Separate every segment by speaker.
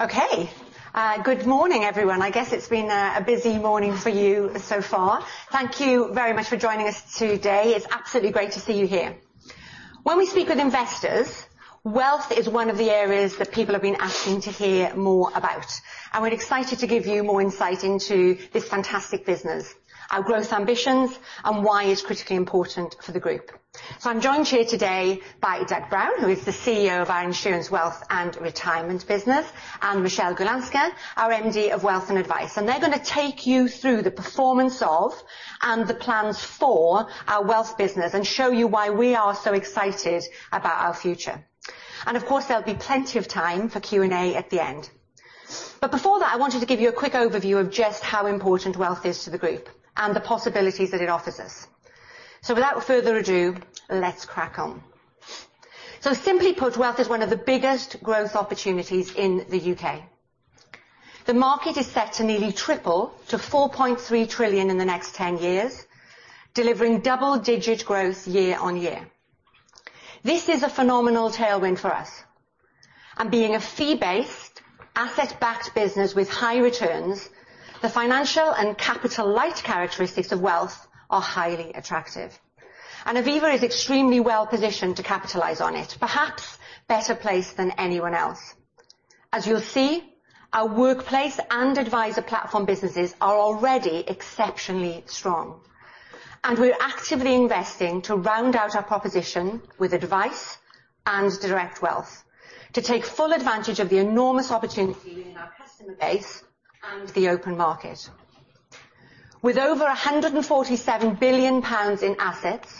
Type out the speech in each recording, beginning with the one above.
Speaker 1: Okay! Good morning, everyone. I guess it's been a busy morning for you so far. Thank you very much for joining us today. It's absolutely great to see you here. When we speak with investors, wealth is one of the areas that people have been asking to hear more about, and we're excited to give you more insight into this fantastic business, our growth ambitions, and why it's critically important for the group. So I'm joined here today by Doug Brown, who is the CEO of our Insurance, Wealth, and Retirement business, and Michele Golunska, our MD of Wealth and Advice, and they're gonna take you through the performance of and the plans for our wealth business and show you why we are so excited about our future. And of course, there'll be plenty of time for Q&A at the end. But before that, I wanted to give you a quick overview of just how important wealth is to the group and the possibilities that it offers us. So without further ado, let's crack on. So simply put, wealth is one of the biggest growth opportunities in the The market is set to nearly triple to 4.3 trillion in the next 10 years, delivering double-digit growth year on year. This is a phenomenal tailwind for us, and being a fee-based, asset-backed business with high returns, the financial and capital light characteristics of wealth are highly attractive, and Aviva is extremely well-positioned to capitalize on it, perhaps better placed than anyone else. As you'll see, our workplace and advisor platform businesses are already exceptionally strong, and we're actively investing to round out our proposition with advice and direct wealth to take full advantage of the enormous opportunity in our customer base and the open market. With over 147 billion pounds in assets,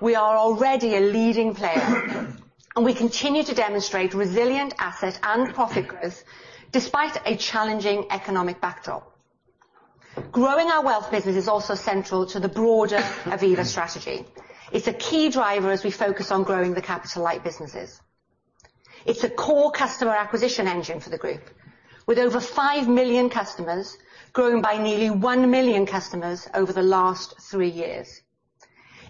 Speaker 1: we are already a leading player and we continue to demonstrate resilient asset and profit growth despite a challenging economic backdrop. Growing our wealth business is also central to the broader Aviva strategy. It's a key driver as we focus on growing the capital light businesses. It's a core customer acquisition engine for the group, with over 5 million customers, growing by nearly 1 million customers over the last three years.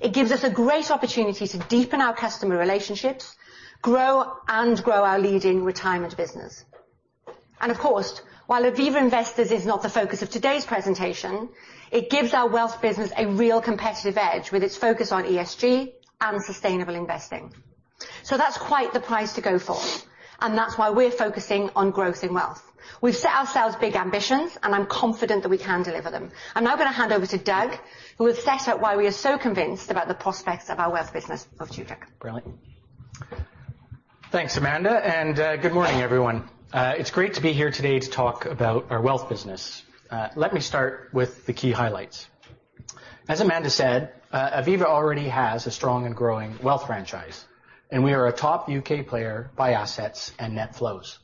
Speaker 1: It gives us a great opportunity to deepen our customer relationships, grow and grow our leading retirement business. Of course, while Aviva Investors is not the focus of today's presentation, it gives our wealth business a real competitive edge with its focus on ESG and sustainable investing. That's quite the prize to go for, and that's why we're focusing on growth in wealth. We've set ourselves big ambitions, and I'm confident that we can deliver them. I'm now going to hand over to Doug, who will set out why we are so convinced about the prospects of our wealth business. Off to you, Doug.
Speaker 2: Brilliant. Thanks, Amanda, and, good morning, everyone. It's great to be here today to talk about our wealth business. Let me start with the key highlights. As Amanda said, Aviva already has a strong and growing wealth franchise, and we are a top player by assets and net flows.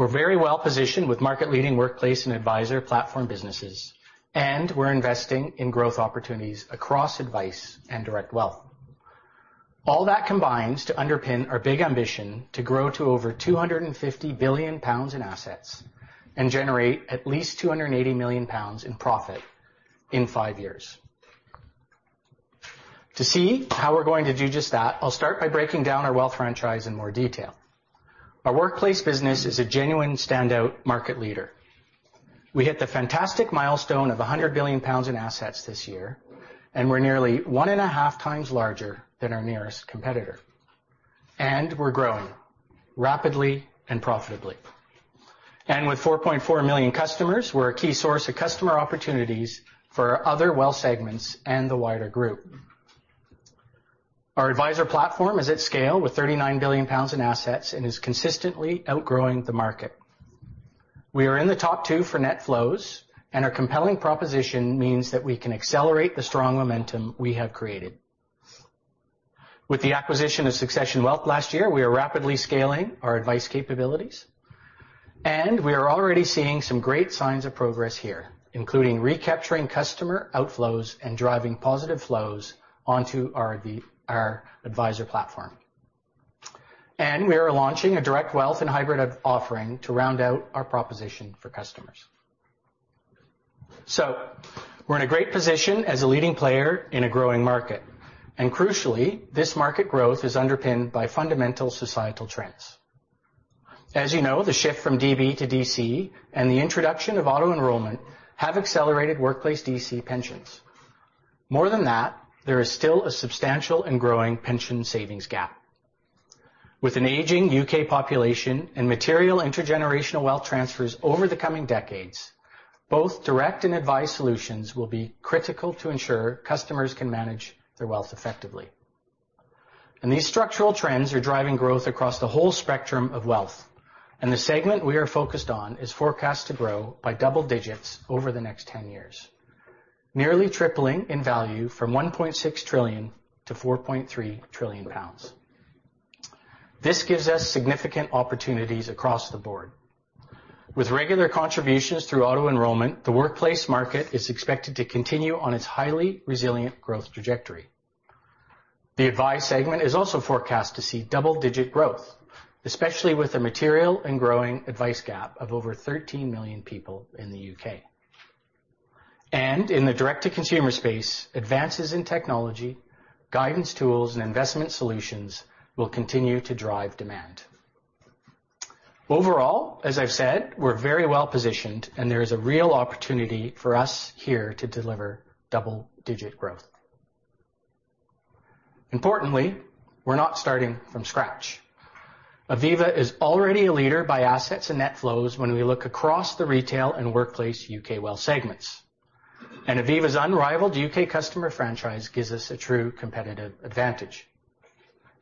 Speaker 2: We're very well-positioned with market-leading workplace and advisor platform businesses, and we're investing in growth opportunities across advice and direct wealth. All that combines to underpin our big ambition to grow to over 250 billion pounds in assets and generate at least 280 million pounds in profit in five years. To see how we're going to do just that, I'll start by breaking down our wealth franchise in more detail. Our workplace business is a genuine standout market leader. We hit the fantastic milestone of 100 billion pounds in assets this year, and we're nearly 1.5 times larger than our nearest competitor, and we're growing rapidly and profitably. With 4.4 million customers, we're a key source of customer opportunities for our other wealth segments and the wider group. Our adviser platform is at scale with 39 billion pounds in assets and is consistently outgrowing the market. We are in the top two for net flows, and our compelling proposition means that we can accelerate the strong momentum we have created. With the acquisition of Succession Wealth last year, we are rapidly scaling our advice capabilities, and we are already seeing some great signs of progress here, including recapturing customer outflows and driving positive flows onto our adviser platform. We are launching a direct wealth and hybrid offering to round out our proposition for customers. We're in a great position as a leading player in a growing market, and crucially, this market growth is underpinned by fundamental societal trends. As you know, the shift from DB to DC and the introduction of auto-enrollment have accelerated workplace DC pensions. More than that, there is still a substantial and growing pension savings gap. With an aging population and material intergenerational wealth transfers over the coming decades, both direct and advised solutions will be critical to ensure customers can manage their wealth effectively. These structural trends are driving growth across the whole spectrum of wealth, and the segment we are focused on is forecast to grow by double digits over the next 10 years, nearly tripling in value from 1.6 trillion to 4.3 trillion pounds. This gives us significant opportunities across the board. With regular contributions through auto-enrolment, the workplace market is expected to continue on its highly resilient growth trajectory. The advice segment is also forecast to see double-digit growth, especially with the material and growing advice gap of over 13 million people in the ... In the direct-to-consumer space, advances in technology, guidance tools, and investment solutions will continue to drive demand. Overall, as I've said, we're very well positioned, and there is a real opportunity for us here to deliver double-digit growth. Importantly, we're not starting from scratch. Aviva is already a leader by assets and net flows when we look across the retail and workplace Wealth segments, and Aviva's unrivaled customer franchise gives us a true competitive advantage.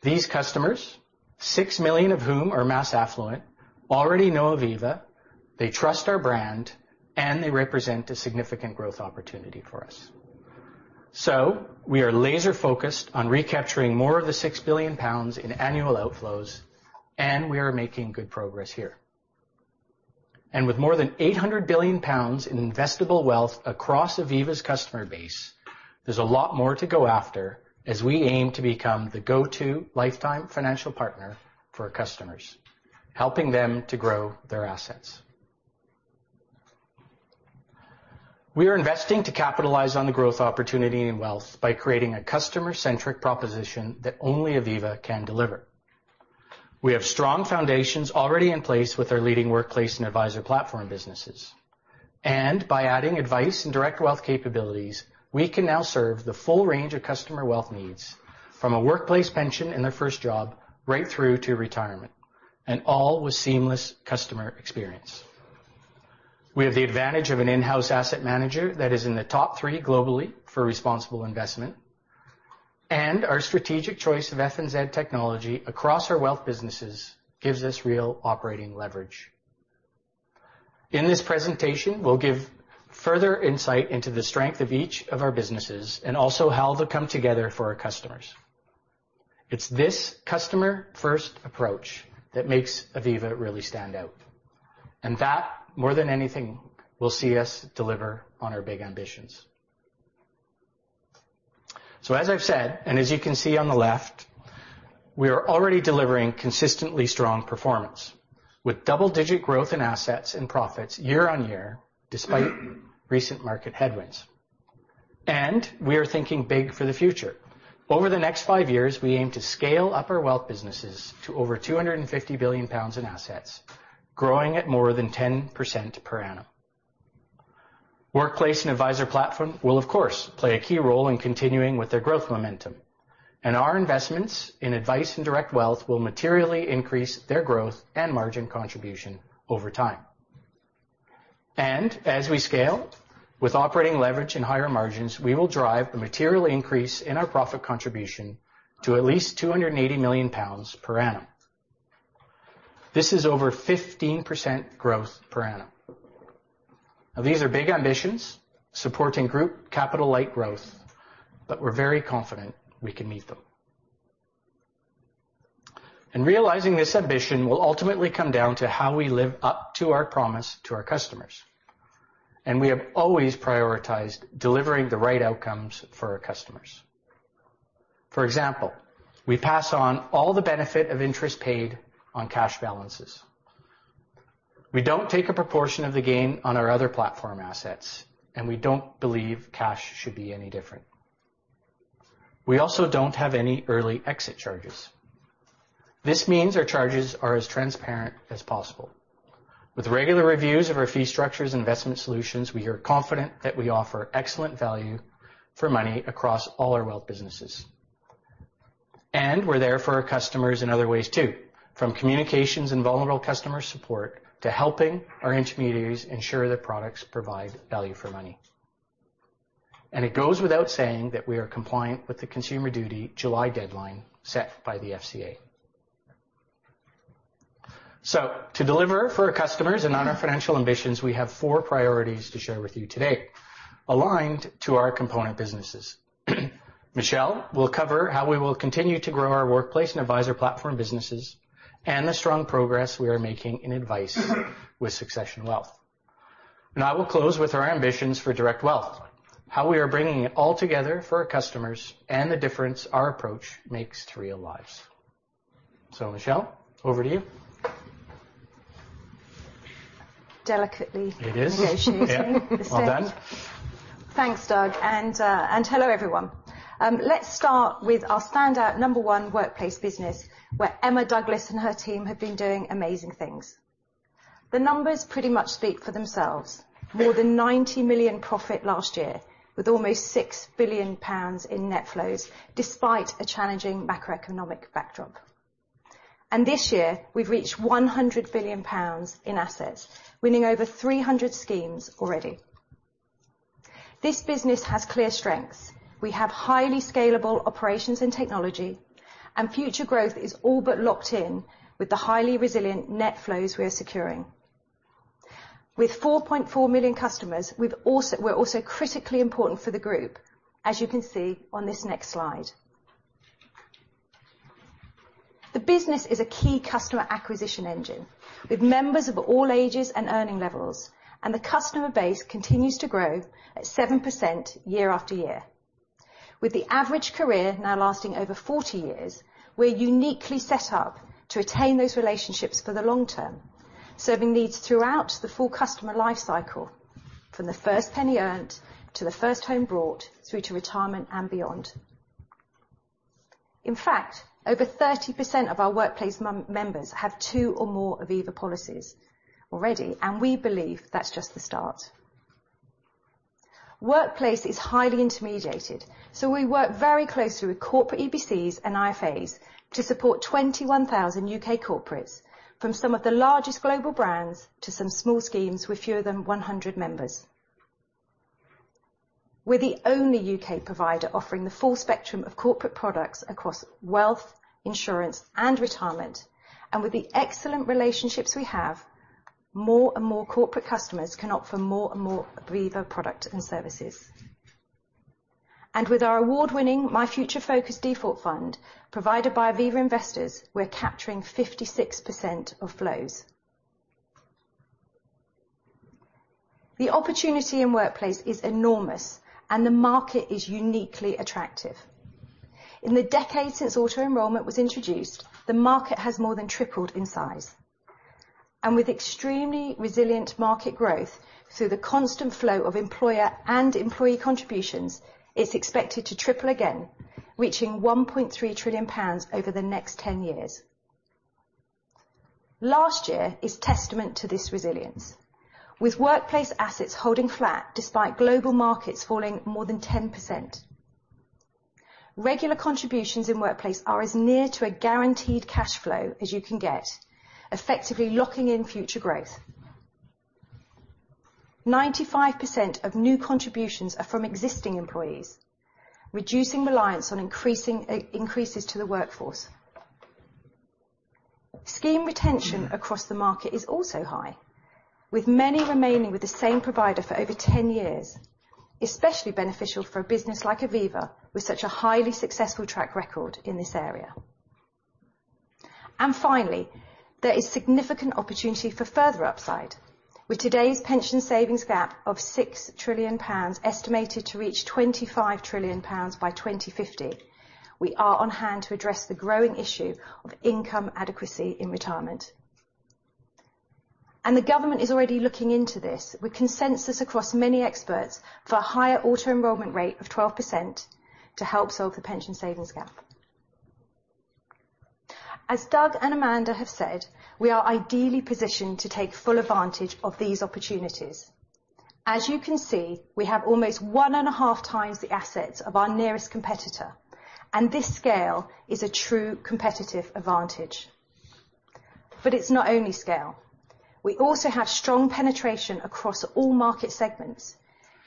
Speaker 2: These customers, 6 million of whom are mass affluent, already know Aviva, they trust our brand, and they represent a significant growth opportunity for us. So we are laser-focused on recapturing more of the 6 billion pounds in annual outflows, and we are making good progress here. And with more than 800 billion pounds in investable wealth across Aviva's customer base, there's a lot more to go after as we aim to become the go-to lifetime financial partner for our customers, helping them to grow their assets. We are investing to capitalize on the growth opportunity in wealth by creating a customer-centric proposition that only Aviva can deliver. We have strong foundations already in place with our leading workplace and adviser platform businesses. And by adding advice and direct wealth capabilities, we can now serve the full range of customer wealth needs, from a workplace pension in their first job right through to retirement, and all with seamless customer experience. We have the advantage of an in-house asset manager that is in the top three globally for responsible investment, and our strategic choice of FNZ technology across our wealth businesses gives us real operating leverage. In this presentation, we'll give further insight into the strength of each of our businesses and also how they come together for our customers. It's this customer-first approach that makes Aviva really stand out, and that, more than anything, will see us deliver on our big ambitions. So as I've said, and as you can see on the left, we are already delivering consistently strong performance, with double-digit growth in assets and profits year-over-year, despite recent market headwinds. We are thinking big for the future. Over the next five years, we aim to scale up our wealth businesses to over 250 billion pounds in assets, growing at more than 10% per annum. Workplace and advisor platform will, of course, play a key role in continuing with their growth momentum, and our investments in advice and direct wealth will materially increase their growth and margin contribution over time. And as we scale, with operating leverage and higher margins, we will drive a material increase in our profit contribution to at least 280 million pounds per annum. This is over 15% growth per annum. Now, these are big ambitions, supporting group capital-light growth, but we're very confident we can meet them. Realizing this ambition will ultimately come down to how we live up to our promise to our customers, and we have always prioritized delivering the right outcomes for our customers. For example, we pass on all the benefit of interest paid on cash balances. We don't take a proportion of the gain on our other platform assets, and we don't believe cash should be any different. We also don't have any early exit charges. This means our charges are as transparent as possible. With regular reviews of our fee structures, investment solutions, we are confident that we offer excellent value for money across all our wealth businesses. We're there for our customers in other ways, too, from communications and vulnerable customer support, to helping our intermediaries ensure their products provide value for money. It goes without saying that we are compliant with the Consumer Duty July deadline set by the FCA. To deliver for our customers and on our financial ambitions, we have four priorities to share with you today, aligned to our component businesses. Michele will cover how we will continue to grow our workplace and advisor platform businesses and the strong progress we are making in advice with Succession Wealth. I will close with our ambitions for direct wealth, how we are bringing it all together for our customers, and the difference our approach makes to real lives. So, Michele, over to you.
Speaker 3: Delicately.
Speaker 2: It is.
Speaker 3: Yeah, she is.
Speaker 2: All done.
Speaker 3: Thanks, Doug, and, and hello, everyone. Let's start with our standout number one workplace business, where Emma Douglas and her team have been doing amazing things. The numbers pretty much speak for themselves. More than 90 million profit last year, with almost 6 billion pounds in net flows, despite a challenging macroeconomic backdrop. And this year, we've reached 100 billion pounds in assets, winning over 300 schemes already. This business has clear strengths. We have highly scalable operations and technology, and future growth is all but locked in with the highly resilient net flows we are securing. With 4.4 million customers, we've also, we're also critically important for the group, as you can see on this next slide. The business is a key customer acquisition engine, with members of all ages and earning levels, and the customer base continues to grow at 7% year after year. With the average career now lasting over 40 years, we're uniquely set up to retain those relationships for the long term, serving needs throughout the full customer life cycle, from the first penny earned to the first home bought, through to retirement and beyond. In fact, over 30% of our workplace members have two or more Aviva policies already, and we believe that's just the start. Workplace is highly intermediated, so we work very closely with corporate EBCs and IFAs to support 21,000 corporates from some of the largest global brands to some small schemes with fewer than 100 members. We're the only provider offering the full spectrum of corporate products across wealth, insurance, and retirement, and with the excellent relationships we have, more and more corporate customers can opt for more and more Aviva product and services. With our award-winning My Future Focus default fund, provided by Aviva Investors, we're capturing 56% of flows. The opportunity in workplace is enormous, and the market is uniquely attractive. In the decade since auto-enrollment was introduced, the market has more than tripled in size. With extremely resilient market growth through the constant flow of employer and employee contributions, it's expected to triple again, reaching 1.3 trillion pounds over the next 10 years. Last year is testament to this resilience, with workplace assets holding flat despite global markets falling more than 10%. Regular contributions in workplace are as near to a guaranteed cash flow as you can get, effectively locking in future growth. 95% of new contributions are from existing employees, reducing reliance on increasing, increases to the workforce. Scheme retention across the market is also high, with many remaining with the same provider for over 10 years, especially beneficial for a business like Aviva, with such a highly successful track record in this area. And finally, there is significant opportunity for further upside. With today's pension savings gap of 6 trillion pounds, estimated to reach 25 trillion pounds by 2050, we are on hand to address the growing issue of income adequacy in retirement. The government is already looking into this, with consensus across many experts for a higher auto-enrollment rate of 12% to help solve the pension savings gap. As Doug and Amanda have said, we are ideally positioned to take full advantage of these opportunities. As you can see, we have almost 1.5 times the assets of our nearest competitor, and this scale is a true competitive advantage. But it's not only scale. We also have strong penetration across all market segments,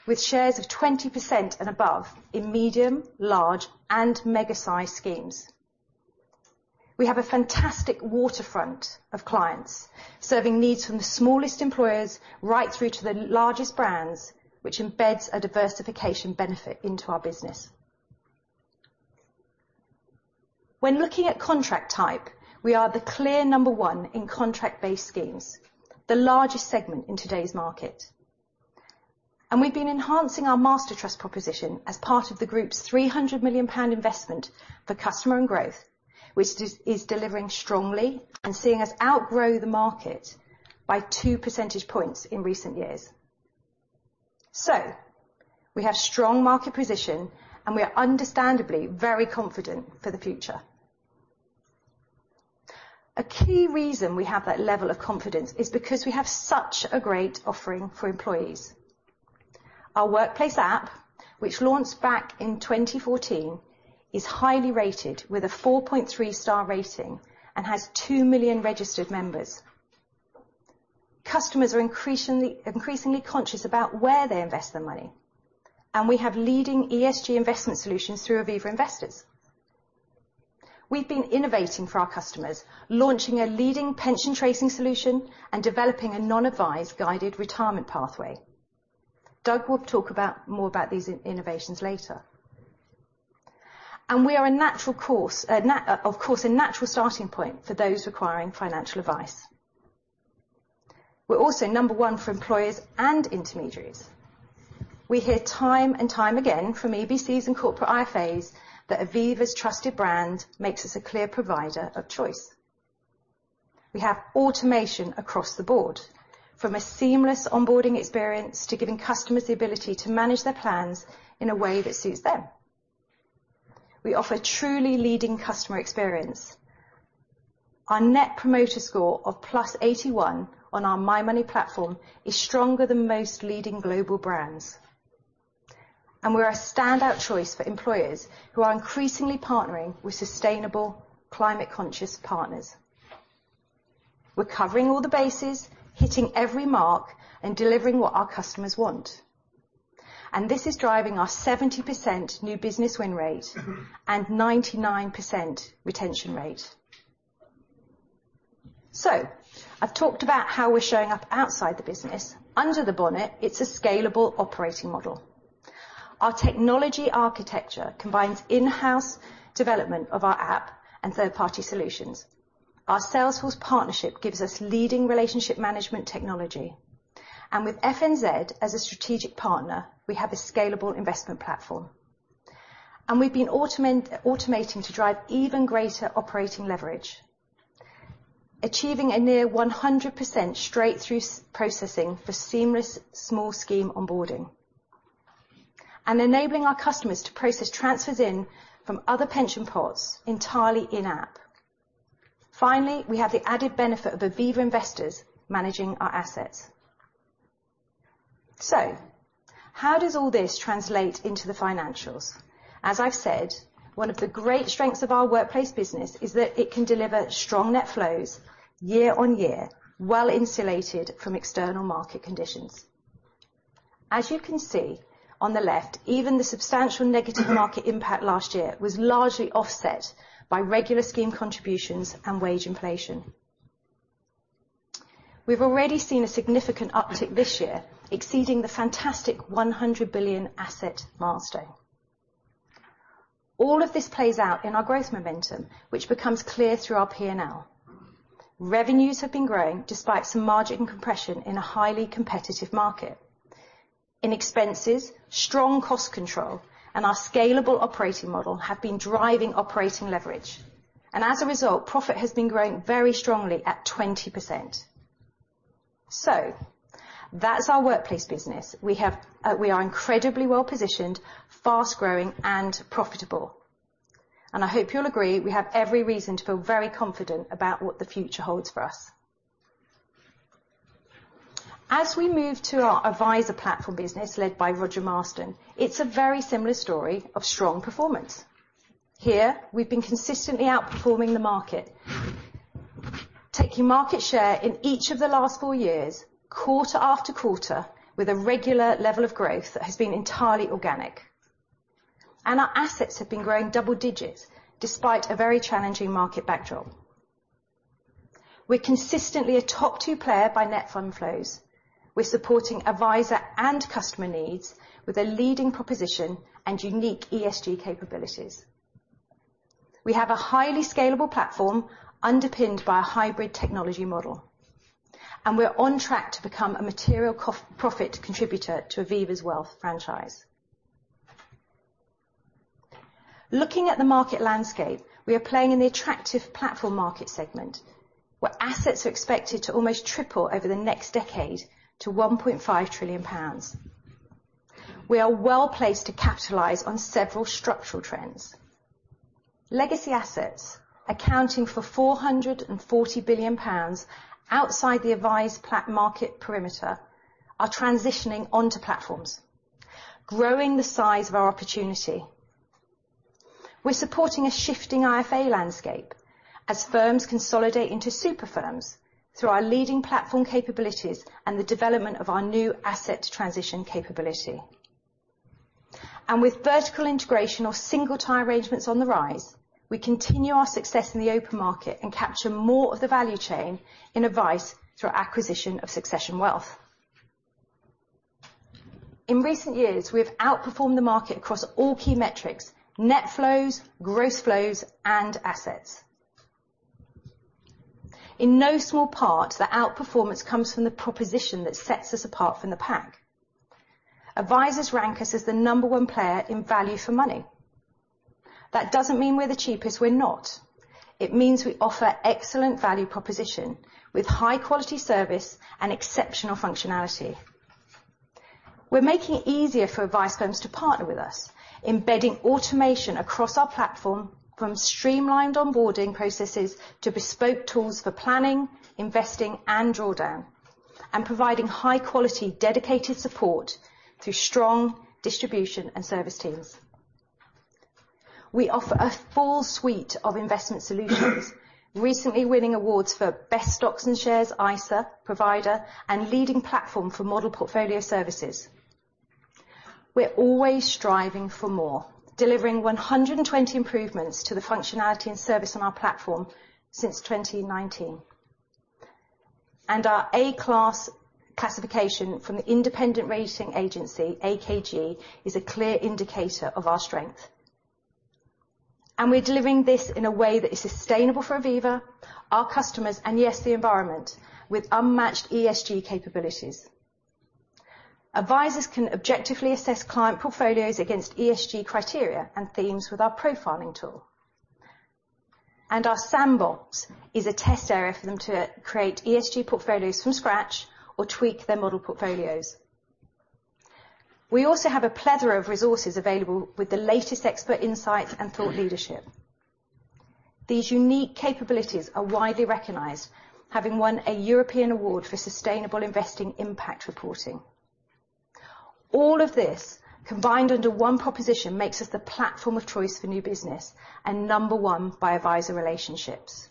Speaker 3: with shares of 20% and above in medium, large, and mega-sized schemes. We have a fantastic waterfront of clients, serving needs from the smallest employers right through to the largest brands, which embeds a diversification benefit into our business. When looking at contract type, we are the clear number one in contract-based schemes, the largest segment in today's market. And we've been enhancing our master trust proposition as part of the group's 300 million pound investment for customer and growth, which is delivering strongly and seeing us outgrow the market by 2 percentage points in recent years. So we have strong market position, and we are understandably very confident for the future. A key reason we have that level of confidence is because we have such a great offering for employees. Our workplace app, which launched back in 2014, is highly rated with a 4.3-star rating and has 2 million registered members. Customers are increasingly conscious about where they invest their money, and we have leading ESG investment solutions through Aviva Investors. We've been innovating for our customers, launching a leading pension tracing solution and developing a non-advised guided retirement pathway. Doug will talk more about these innovations later. And we are, of course, a natural starting point for those requiring financial advice. We're also number 1 for employers and intermediaries. We hear time and time again from EBCs and corporate IFAs that Aviva's trusted brand makes us a clear provider of choice. We have automation across the board, from a seamless onboarding experience to giving customers the ability to manage their plans in a way that suits them. We offer truly leading customer experience. Our net promoter score of +81 on our My Money platform is stronger than most leading global brands. And we're a standout choice for employers who are increasingly partnering with sustainable climate-conscious partners. We're covering all the bases, hitting every mark, and delivering what our customers want. And this is driving our 70% new business win rate and 99% retention rate. So I've talked about how we're showing up outside the business. Under the bonnet, it's a scalable operating model. Our technology architecture combines in-house development of our app and third-party solutions. Our Salesforce partnership gives us leading relationship management technology... and with FNZ as a strategic partner, we have a scalable investment platform. We've been automating to drive even greater operating leverage, achieving a near 100% straight-through processing for seamless small scheme onboarding, and enabling our customers to process transfers in from other pension pots entirely in-app. Finally, we have the added benefit of Aviva Investors managing our assets. So how does all this translate into the financials? As I've said, one of the great strengths of our workplace business is that it can deliver strong net flows year on year, well-insulated from external market conditions. As you can see on the left, even the substantial negative market impact last year was largely offset by regular scheme contributions and wage inflation. We've already seen a significant uptick this year, exceeding the fantastic 100 billion asset milestone. All of this plays out in our growth momentum, which becomes clear through our P&L. Revenues have been growing despite some margin compression in a highly competitive market. In expenses, strong cost control and our scalable operating model have been driving operating leverage, and as a result, profit has been growing very strongly at 20%. So that's our workplace business. We have. We are incredibly well-positioned, fast-growing, and profitable, and I hope you'll agree, we have every reason to feel very confident about what the future holds for us. As we move to our adviser platform business, led by Roger Marsden, it's a very similar story of strong performance. Here, we've been consistently outperforming the market, taking market share in each of the last four years, quarter after quarter, with a regular level of growth that has been entirely organic. Our assets have been growing double digits despite a very challenging market backdrop. We're consistently a top two player by net fund flows. We're supporting adviser and customer needs with a leading proposition and unique ESG capabilities. We have a highly scalable platform underpinned by a hybrid technology model, and we're on track to become a material profit contributor to Aviva's wealth franchise. Looking at the market landscape, we are playing in the attractive platform market segment, where assets are expected to almost triple over the next decade to 1.5 trillion pounds. We are well-placed to capitalize on several structural trends. Legacy assets, accounting for 440 billion pounds outside the advised platform market perimeter, are transitioning onto platforms, growing the size of our opportunity. We're supporting a shifting IFA landscape as firms consolidate into super firms through our leading platform capabilities and the development of our new asset transition capability. And with vertical integration or single tie arrangements on the rise, we continue our success in the open market and capture more of the value chain in advice through our acquisition of Succession Wealth. In recent years, we have outperformed the market across all key metrics: net flows, gross flows, and assets. In no small part, the outperformance comes from the proposition that sets us apart from the pack. Advisors rank us as the number one player in value for money. That doesn't mean we're the cheapest; we're not. It means we offer excellent value proposition with high-quality service and exceptional functionality. We're making it easier for advice firms to partner with us, embedding automation across our platform, from streamlined onboarding processes to bespoke tools for planning, investing, and drawdown, and providing high-quality, dedicated support through strong distribution and service teams. We offer a full suite of investment solutions, recently winning awards for Best Stocks and Shares ISA Provider and Leading Platform for Model Portfolio Services. We're always striving for more, delivering 120 improvements to the functionality and service on our platform since 2019. Our A-class classification from the independent rating agency, AKG, is a clear indicator of our strength. We're delivering this in a way that is sustainable for Aviva, our customers, and yes, the environment, with unmatched ESG capabilities. Advisors can objectively assess client portfolios against ESG criteria and themes with our profiling tool. Our sandbox is a test area for them to create ESG portfolios from scratch or tweak their model portfolios. We also have a plethora of resources available with the latest expert insights and thought leadership. These unique capabilities are widely recognized, having won a European award for sustainable investing impact reporting. All of this, combined under one proposition, makes us the platform of choice for new business and number one by advisor relationships.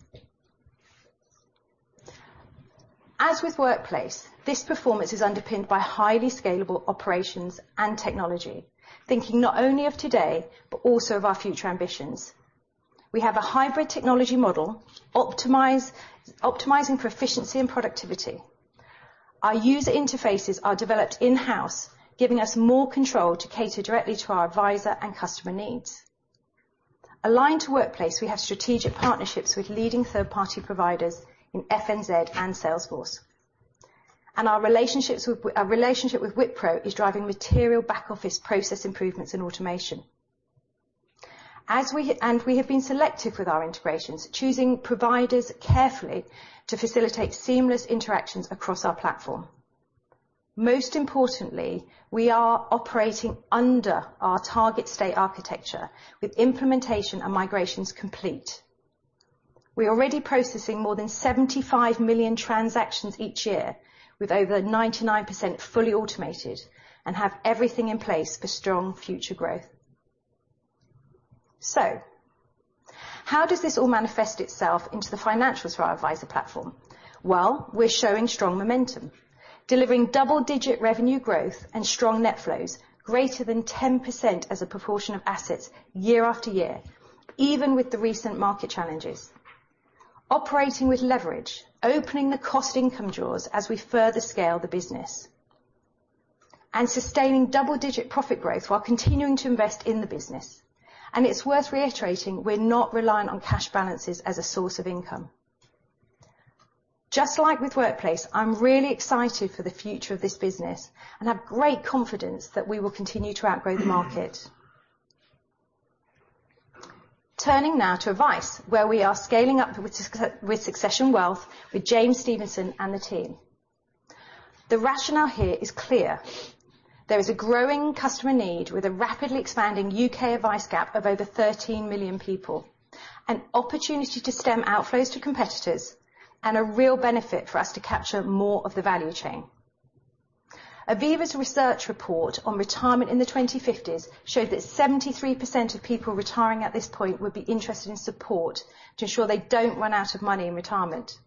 Speaker 3: As with workplace, this performance is underpinned by highly scalable operations and technology, thinking not only of today, but also of our future ambitions. We have a hybrid technology model, optimizing for efficiency and productivity. Our user interfaces are developed in-house, giving us more control to cater directly to our advisor and customer needs... Aligned to Workplace, we have strategic partnerships with leading third-party providers in FNZ and Salesforce. And our relationship with Wipro is driving material back-office process improvements and automation. And we have been selective with our integrations, choosing providers carefully to facilitate seamless interactions across our platform. Most importantly, we are operating under our target state architecture, with implementation and migrations complete. We are already processing more than 75 million transactions each year, with over 99% fully automated, and have everything in place for strong future growth. So how does this all manifest itself into the financials for our adviser platform? Well, we're showing strong momentum, delivering double-digit revenue growth and strong net flows, greater than 10% as a proportion of assets year after year, even with the recent market challenges. Operating with leverage, opening the cost income jaws as we further scale the business, and sustaining double-digit profit growth while continuing to invest in the business. It's worth reiterating, we're not reliant on cash balances as a source of income. Just like with Workplace, I'm really excited for the future of this business and have great confidence that we will continue to outgrow the market. Turning now to Advice, where we are scaling up with Succession Wealth with James Stevenson and the team. The rationale here is clear: There is a growing customer need with a rapidly expanding advice gap of over 13 million people, an opportunity to stem outflows to competitors, and a real benefit for us to capture more of the value chain. Aviva's research report on retirement in the 2050s showed that 73% of people retiring at this point would be interested in support to ensure they don't run out of money in retirement.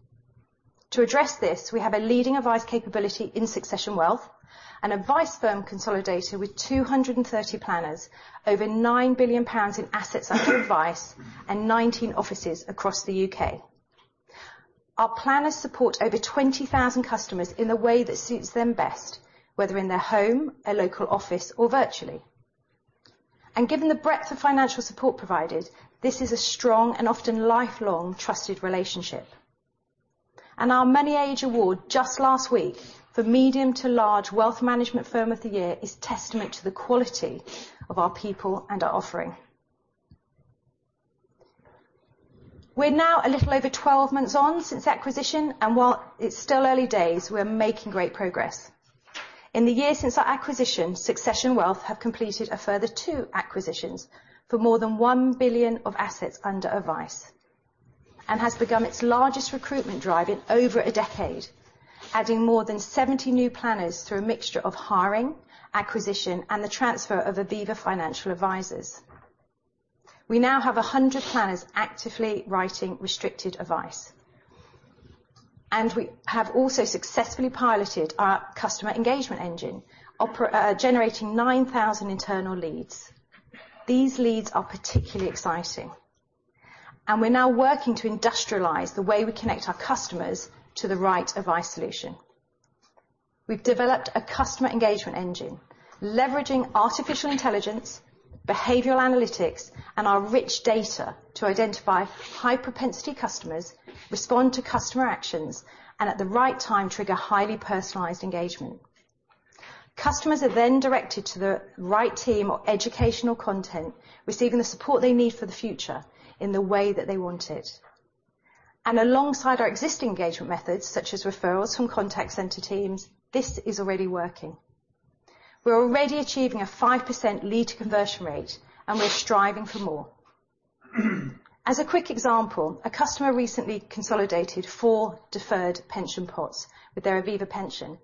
Speaker 3: To address this, we have a leading advice capability in Succession Wealth, an advice firm consolidator with 230 planners, over 9 billion pounds in assets under advice, and 19 offices across the Our planners support over 20,000 customers in a way that suits them best, whether in their home, a local office, or virtually. And given the breadth of financial support provided, this is a strong and often lifelong trusted relationship. And our MoneyAge Award just last week for Medium to Large Wealth Management Firm of the Year is testament to the quality of our people and our offering. We're now a little over 12 months on since acquisition, and while it's still early days, we're making great progress. In the year since our acquisition, Succession Wealth have completed a further two acquisitions for more than 1 billion of assets under advice, and has begun its largest recruitment drive in over a decade, adding more than 70 new planners through a mixture of hiring, acquisition, and the transfer of Aviva financial advisors. We now have 100 planners actively writing restricted advice, and we have also successfully piloted our customer engagement engine, generating 9,000 internal leads. These leads are particularly exciting, and we're now working to industrialize the way we connect our customers to the right advice solution. We've developed a customer engagement engine, leveraging artificial intelligence, behavioral analytics, and our rich data to identify high-propensity customers, respond to customer actions, and at the right time, trigger highly personalized engagement. Customers are then directed to the right team or educational content, receiving the support they need for the future in the way that they want it. Alongside our existing engagement methods, such as referrals from contact center teams, this is already working. We're already achieving a 5% lead conversion rate, and we're striving for more. As a quick example, a customer recently consolidated four deferred pension pots with their Aviva pension,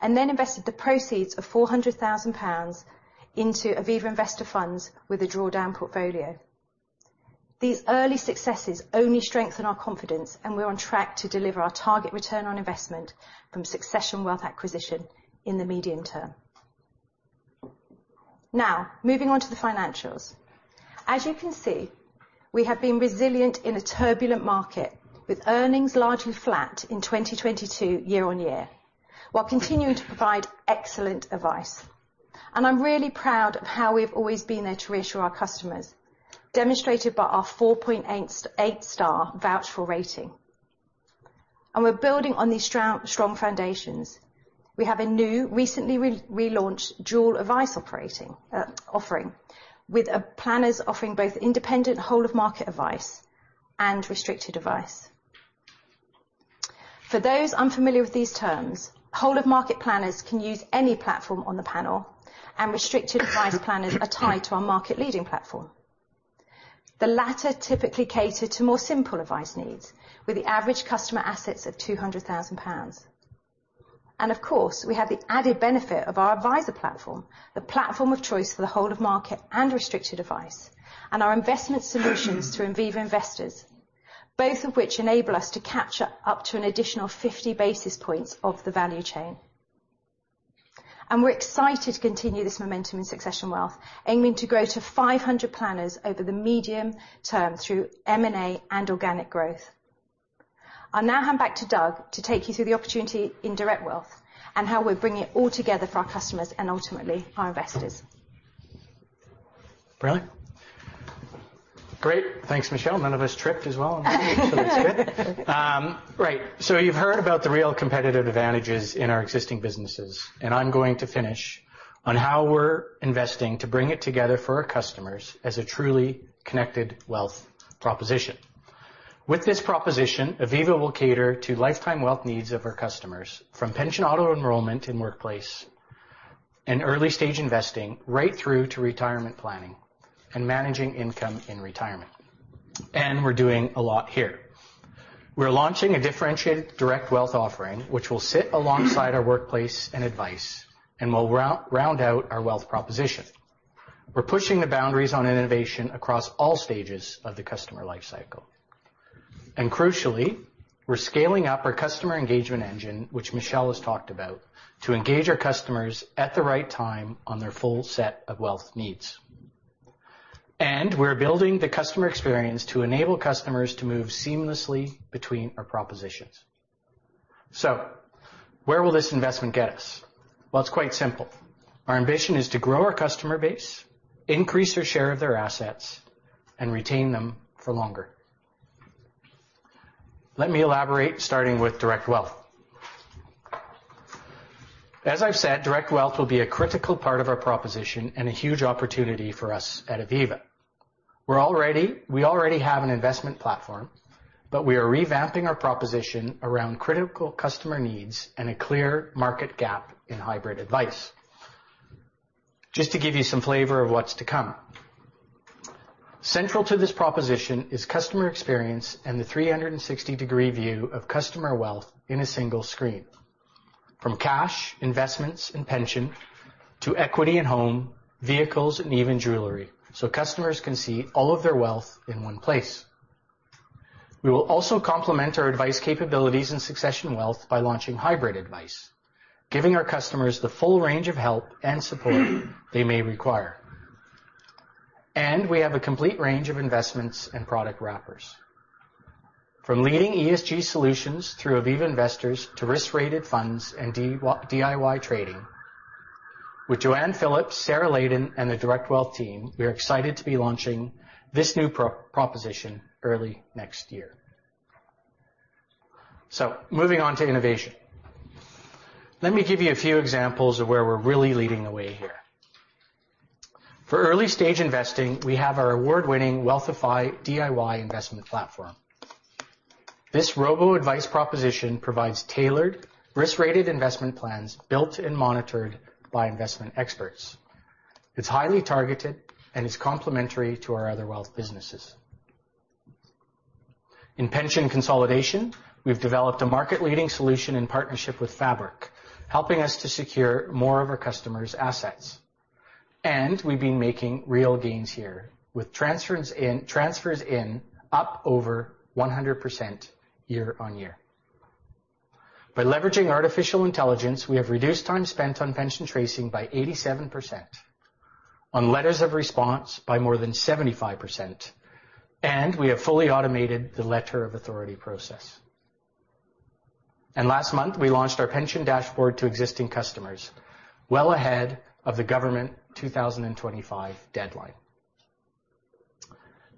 Speaker 3: and then invested the proceeds of 400,000 pounds into Aviva Investors funds with a drawdown portfolio. These early successes only strengthen our confidence, and we're on track to deliver our target return on investment from Succession Wealth acquisition in the medium term. Now, moving on to the financials. As you can see, we have been resilient in a turbulent market, with earnings largely flat in 2022 year on year, while continuing to provide excellent advice. I'm really proud of how we've always been there to reassure our customers, demonstrated by our 4.8-star VouchedFor rating. We're building on these stout strong foundations. We have a new, recently relaunched dual advice operating offering, with our planners offering both independent whole of market advice and restricted advice. For those unfamiliar with these terms, whole of market planners can use any platform on the panel, and restricted advice planners are tied to our market-leading platform. The latter typically cater to more simple advice needs, with the average customer assets of 200,000 pounds. Of course, we have the added benefit of our adviser platform, the platform of choice for the whole of market and restricted advice, and our investment solutions through Aviva Investors, both of which enable us to capture up to an additional 50 basis points of the value chain. We're excited to continue this momentum in Succession Wealth, aiming to grow to 500 planners over the medium term through M&A and organic growth. I'll now hand back to Doug to take you through the opportunity in direct wealth and how we're bringing it all together for our customers and ultimately, our investors.
Speaker 2: Brilliant. Great! Thanks, Michele. None of us tripped as well. So that's good. Right, so you've heard about the real competitive advantages in our existing businesses, and I'm going to finish on how we're investing to bring it together for our customers as a truly connected wealth proposition. With this proposition, Aviva will cater to lifetime wealth needs of our customers, from pension auto enrollment in workplace and early stage investing, right through to retirement planning and managing income in retirement. And we're doing a lot here. We're launching a differentiated direct wealth offering, which will sit alongside our workplace and advice, and will round out our wealth proposition. We're pushing the boundaries on innovation across all stages of the customer life cycle. And crucially, we're scaling up our customer engagement engine, which Michele has talked about, to engage our customers at the right time on their full set of wealth needs. And we're building the customer experience to enable customers to move seamlessly between our propositions. So where will this investment get us? Well, it's quite simple. Our ambition is to grow our customer base, increase their share of their assets, and retain them for longer. Let me elaborate, starting with direct wealth. As I've said, direct wealth will be a critical part of our proposition and a huge opportunity for us at Aviva. We already have an investment platform, but we are revamping our proposition around critical customer needs and a clear market gap in hybrid advice. Just to give you some flavor of what's to come, central to this proposition is customer experience and the 360-degree view of customer wealth in a single screen, from cash, investments, and pension to equity and home, vehicles, and even jewelry, so customers can see all of their wealth in one place. We will also complement our advice capabilities in Succession Wealth by launching hybrid advice, giving our customers the full range of help and support they may require. We have a complete range of investments and product wrappers. From leading ESG solutions through Aviva Investors to risk-rated funds and D-DIY trading. With Joanne Phillips, Sarah Layden, and the direct wealth team, we are excited to be launching this new proposition early next year. Moving on to innovation. Let me give you a few examples of where we're really leading the way here. For early stage investing, we have our award-winning Wealthify DIY investment platform. This robo-advice proposition provides tailored, risk-rated investment plans built and monitored by investment experts. It's highly targeted and is complementary to our other wealth businesses. In pension consolidation, we've developed a market-leading solution in partnership with Fabrick, helping us to secure more of our customers' assets, and we've been making real gains here, with transfers in up over 100% year-on-year. By leveraging artificial intelligence, we have reduced time spent on pension tracing by 87%, on letters of response by more than 75%, and we have fully automated the letter of authority process. Last month, we launched our pension dashboard to existing customers, well ahead of the government 2025 deadline.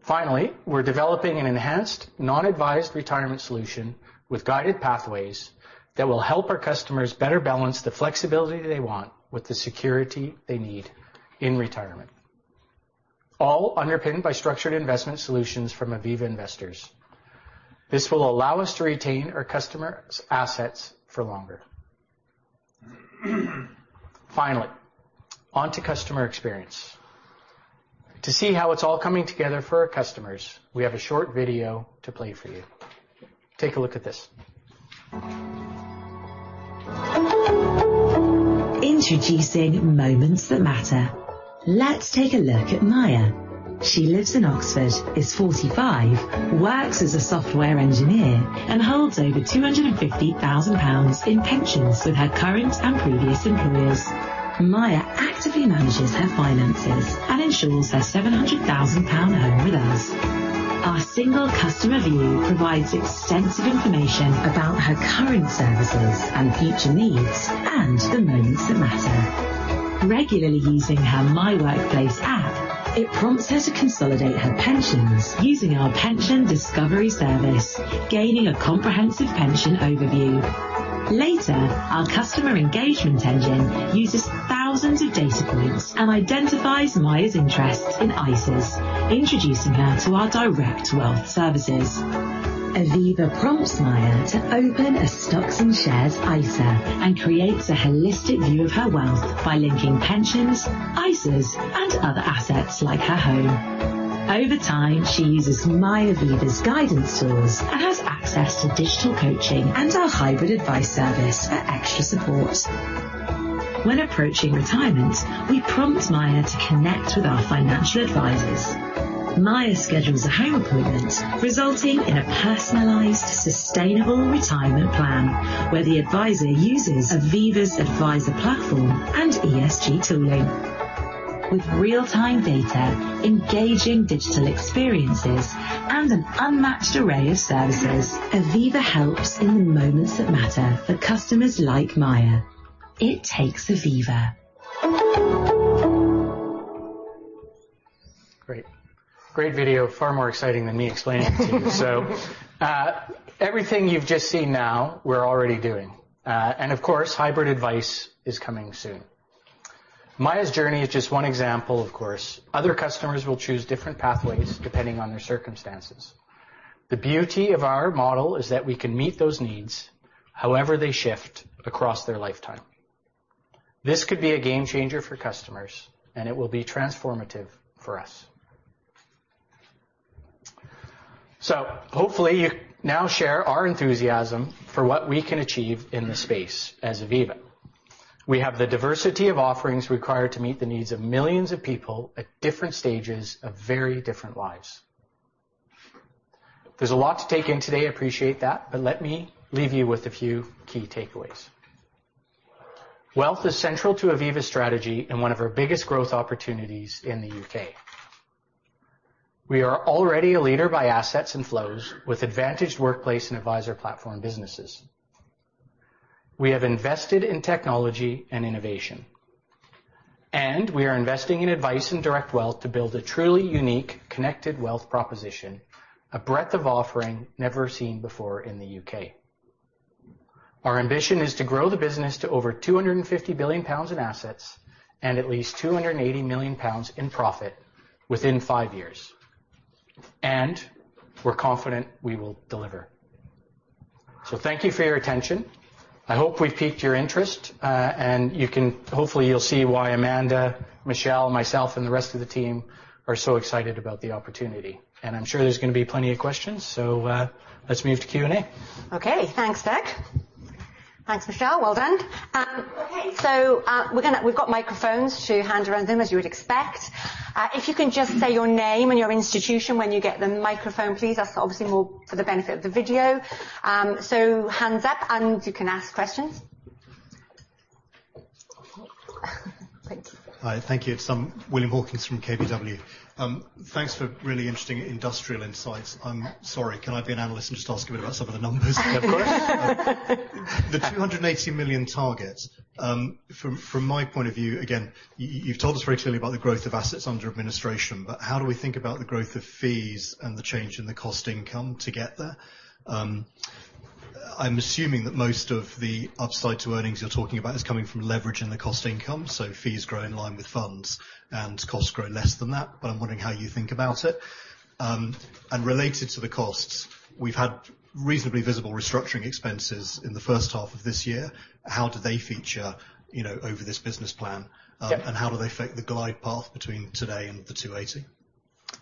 Speaker 2: Finally, we're developing an enhanced non-advised retirement solution with guided pathways that will help our customers better balance the flexibility they want with the security they need in retirement, all underpinned by structured investment solutions from Aviva Investors. This will allow us to retain our customers' assets for longer. Finally, on to customer experience. To see how it's all coming together for our customers, we have a short video to play for you. Take a look at this.
Speaker 4: Introducing Moments That Matter. Let's take a look at Maya. She lives in Oxford, is 45, works as a software engineer, and holds over 250,000 pounds in pensions with her current and previous employers. Maya actively manages her finances and insures her GBP 700,000 home with us. Our single customer view provides extensive information about her current services and future needs, and the moments that matter. Regularly using her My Workplace app, it prompts her to consolidate her pensions using our pension discovery service, gaining a comprehensive pension overview. Later, our customer engagement engine uses thousands of data points and identifies Maya's interests in ISAs, introducing her to our direct wealth services. Aviva prompts Maya to open a stocks and shares ISA, and creates a holistic view of her wealth by linking pensions, ISAs, and other assets like her home. Over time, she uses My Aviva's guidance tools and has access to digital coaching and our hybrid advice service for extra support. When approaching retirement, we prompt Maya to connect with our financial advisors. Maya schedules a home appointment, resulting in a personalized, sustainable retirement plan, where the advisor uses Aviva's advisor platform and ESG tooling. With real-time data, engaging digital experiences, and an unmatched array of services. Aviva helps in the moments that matter for customers like Maya. It takes Aviva.
Speaker 2: Great, great video. Far more exciting than me explaining to you. So, everything you've just seen now, we're already doing. And, of course, hybrid advice is coming soon. Maya's journey is just one example, of course. Other customers will choose different pathways depending on their circumstances. The beauty of our model is that we can meet those needs, however, they shift across their lifetime. This could be a game changer for customers, and it will be transformative for us. So hopefully, you now share our enthusiasm for what we can achieve in this space as Aviva. We have the diversity of offerings required to meet the needs of millions of people at different stages of very different lives. There's a lot to take in today. I appreciate that, but let me leave you with a few key takeaways. Wealth is central to Aviva's strategy and one of our biggest growth opportunities in the UK. We are already a leader by assets and flows with advantaged workplace and advisor platform businesses. We have invested in technology and innovation, and we are investing in advice and direct wealth to build a truly unique, connected wealth proposition, a breadth of offering never seen before in the UK. Our ambition is to grow the business to over 250 billion pounds in assets and at least 280 million pounds in profit within five years, and we're confident we will deliver. So thank you for your attention. I hope we've piqued your interest, and you can hopefully you'll see why Amanda, Michelle, myself, and the rest of the team are so excited about the opportunity. I'm sure there's gonna be plenty of questions, so, let's move to Q&A.
Speaker 1: Okay. Thanks, Doug. Thanks, Michele. Well done. Okay, so, we've got microphones to hand around, as you would expect. If you can just say your name and your institution when you get the microphone, please. That's obviously more for the benefit of the video. So hands up, and you can ask questions. Thank you.
Speaker 5: Hi, thank you. It's William Hawkins from KBW. Thanks for really interesting industry insights. I'm sorry, can I be an analyst and just ask a bit about some of the numbers?
Speaker 2: Of course.
Speaker 5: The 280 million target, from my point of view, again, you've told us very clearly about the growth of assets under administration, but how do we think about the growth of fees and the change in the cost income to get there? I'm assuming that most of the upside to earnings you're talking about is coming from leverage in the cost income, so fees grow in line with funds and costs grow less than that. But I'm wondering how you think about it. And related to the costs, we've had reasonably visible restructuring expenses in the first half of this year. How do they feature, you know, over this business plan?
Speaker 2: Yeah.
Speaker 5: How do they affect the glide path between today and 280?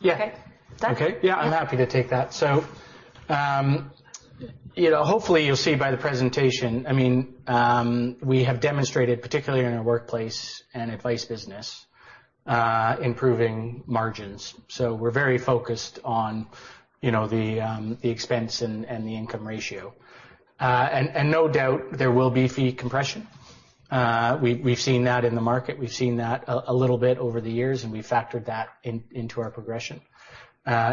Speaker 2: Yeah.
Speaker 1: Okay. Doug?
Speaker 2: Okay. Yeah, I'm happy to take that. So, you know, hopefully, you'll see by the presentation, I mean, we have demonstrated, particularly in our workplace and advice business, improving margins. So we're very focused on, you know, the expense and the income ratio. And no doubt there will be fee compression. We've seen that in the market. We've seen that a little bit over the years, and we factored that in into our progression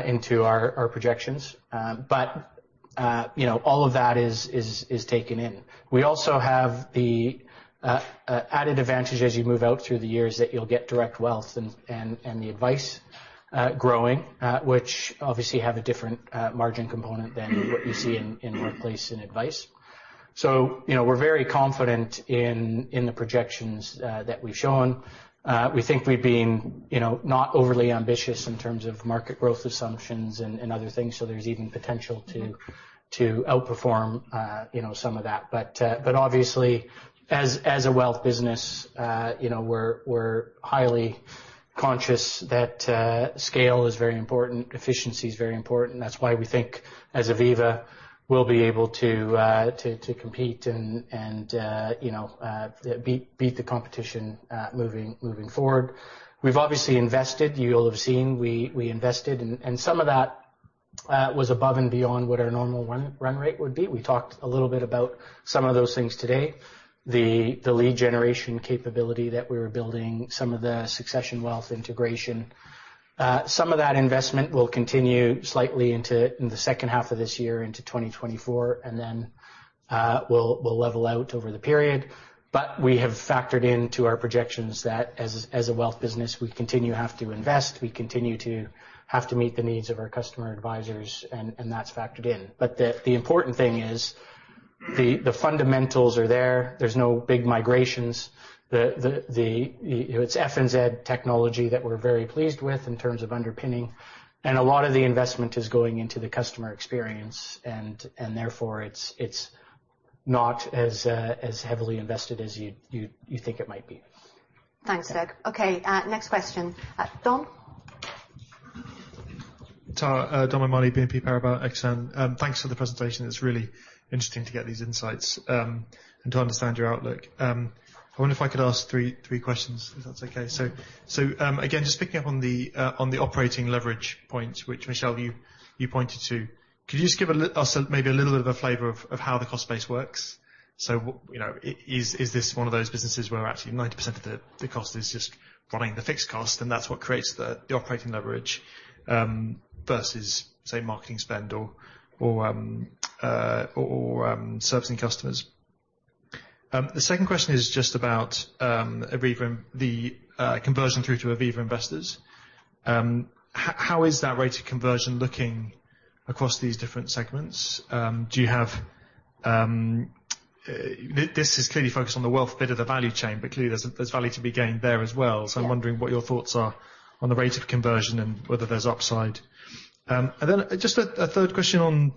Speaker 2: into our projections. But, you know, all of that is taken in. We also have the added advantage as you move out through the years, that you'll get direct wealth and the advice growing, which obviously have a different margin component than what you see in workplace and advice. So, you know, we're very confident in the projections that we've shown. We think we've been, you know, not overly ambitious in terms of market growth assumptions and other things, so there's even potential to outperform, you know, some of that. But obviously, as a wealth business, you know, we're highly conscious that scale is very important, efficiency is very important. That's why we think, as Aviva, we'll be able to compete and, you know, beat the competition moving forward. We've obviously invested. You'll have seen, we invested, and some of that was above and beyond what our normal run rate would be. We talked a little bit about some of those things today, the lead generation capability that we were building, some of the Succession Wealth integration. Some of that investment will continue slightly into the second half of this year into 2024, and then will level out over the period. But we have factored into our projections that, as a wealth business, we continue to have to invest, we continue to have to meet the needs of our customer advisors, and that's factored in. But the important thing is the fundamentals are there. There's no big migrations. The... It's FNZ technology that we're very pleased with in terms of underpinning, and a lot of the investment is going into the customer experience, and therefore, it's not as heavily invested as you think it might be.
Speaker 1: Thanks, Doug. Okay, next question. Don?
Speaker 6: Thank you, Dom O'Mahony, BNP Paribas Exane. Thanks for the presentation. It's really interesting to get these insights, and to understand your outlook. I wonder if I could ask three questions, if that's okay. So, again, just picking up on the operating leverage point, which, Michele, you pointed to, could you just give us a little bit of a flavor of how the cost base works? So what... You know, is this one of those businesses where actually 90% of the cost is just running the fixed cost, and that's what creates the operating leverage, versus, say, marketing spend or servicing customers? The second question is just about Aviva, the conversion through to Aviva Investors. How is that rate of conversion looking across these different segments? Do you have... This is clearly focused on the wealth bit of the value chain, but clearly, there's value to be gained there as well.
Speaker 3: Yeah.
Speaker 6: So I'm wondering what your thoughts are on the rate of conversion and whether there's upside. And then just a third question on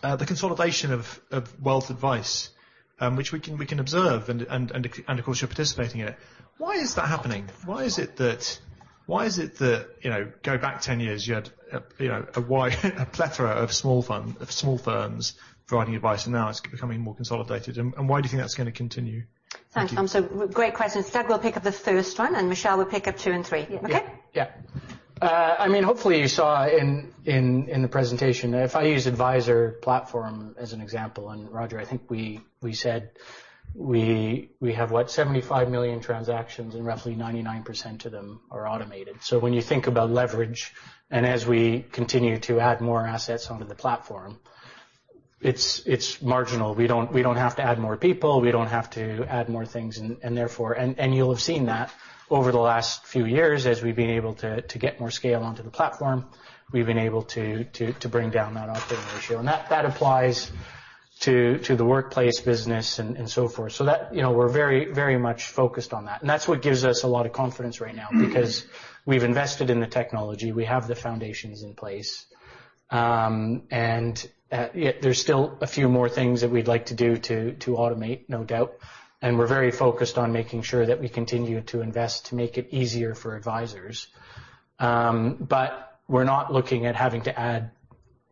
Speaker 6: the consolidation of wealth advice, which we can observe and, of course, you're participating in it. Why is that happening? Why is it that? Why is it that, you know, go back 10 years, you had, you know, a wide, a plethora of small firms providing advice, and now it's becoming more consolidated, and why do you think that's gonna continue?
Speaker 3: Thanks. So great questions. Doug will pick up the first one, and Michele will pick up two and three.
Speaker 2: Yeah.
Speaker 3: Okay?
Speaker 2: Yeah. I mean, hopefully, you saw in the presentation, if I use adviser platform as an example, and Roger, I think we said we have, what? 75 million transactions, and roughly 99% of them are automated. So when you think about leverage, and as we continue to add more assets onto the platform, it's marginal. We don't have to add more people. We don't have to add more things, and therefore... And you'll have seen that over the last few years as we've been able to get more scale onto the platform, we've been able to bring down that operating ratio, and that applies to the workplace business, and so forth. That, you know, we're very, very much focused on that, and that's what gives us a lot of confidence right now-
Speaker 3: Mm-hmm.
Speaker 2: Because we've invested in the technology, we have the foundations in place. And yet there's still a few more things that we'd like to do to automate, no doubt, and we're very focused on making sure that we continue to invest to make it easier for advisors. But we're not looking at having to add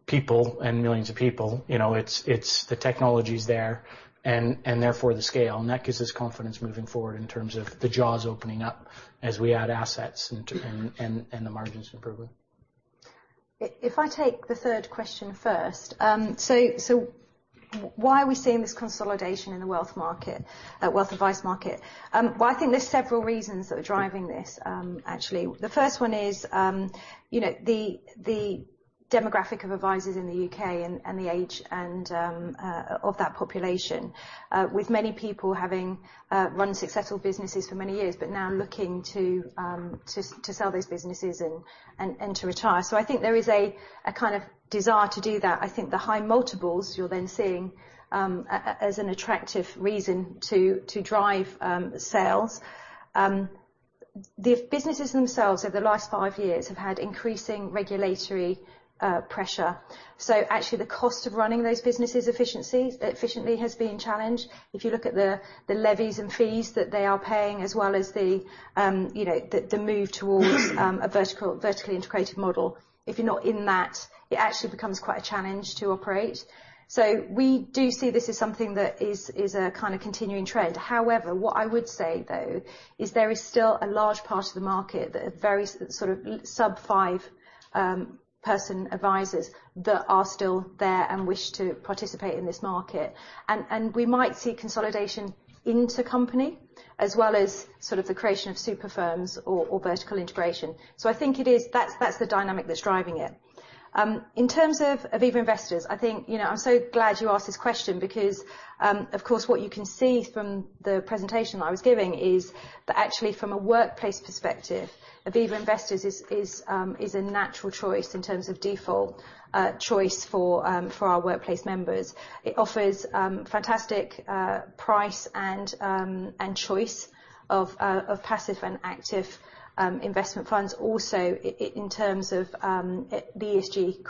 Speaker 2: people and millions of people. You know, it's the technology's there and therefore the scale, and that gives us confidence moving forward in terms of the jaws opening up as we add assets and the margins improving.
Speaker 3: If I take the third question first, so why are we seeing this consolidation in the wealth market, wealth advice market? Well, I think there's several reasons that are driving this, actually. The first one is, you know, the demographic of advisors in the and the age and of that population, with many people having run successful businesses for many years, but now looking to sell those businesses and to retire. So I think there is a kind of desire to do that. I think the high multiples you're then seeing, as an attractive reason to drive sales. The businesses themselves, over the last five years, have had increasing regulatory pressure. So actually, the cost of running those businesses efficiently has been challenged. If you look at the levies and fees that they are paying, as well as the, you know, the move towards a vertically integrated model, if you're not in that, it actually becomes quite a challenge to operate. So we do see this as something that is a kind of continuing trend. However, what I would say, though, is there is still a large part of the market that various sort of sub five person advisors that are still there and wish to participate in this market. And we might see consolidation into company, as well as sort of the creation of super firms or vertical integration. So I think it is... That's the dynamic that's driving it. In terms of Aviva Investors, I think, you know, I'm so glad you asked this question because, of course, what you can see from the presentation I was giving is that actually, from a workplace perspective, Aviva Investors is a natural choice in terms of default choice for our workplace members. It offers fantastic price and choice of passive and active investment funds, also in terms of ESG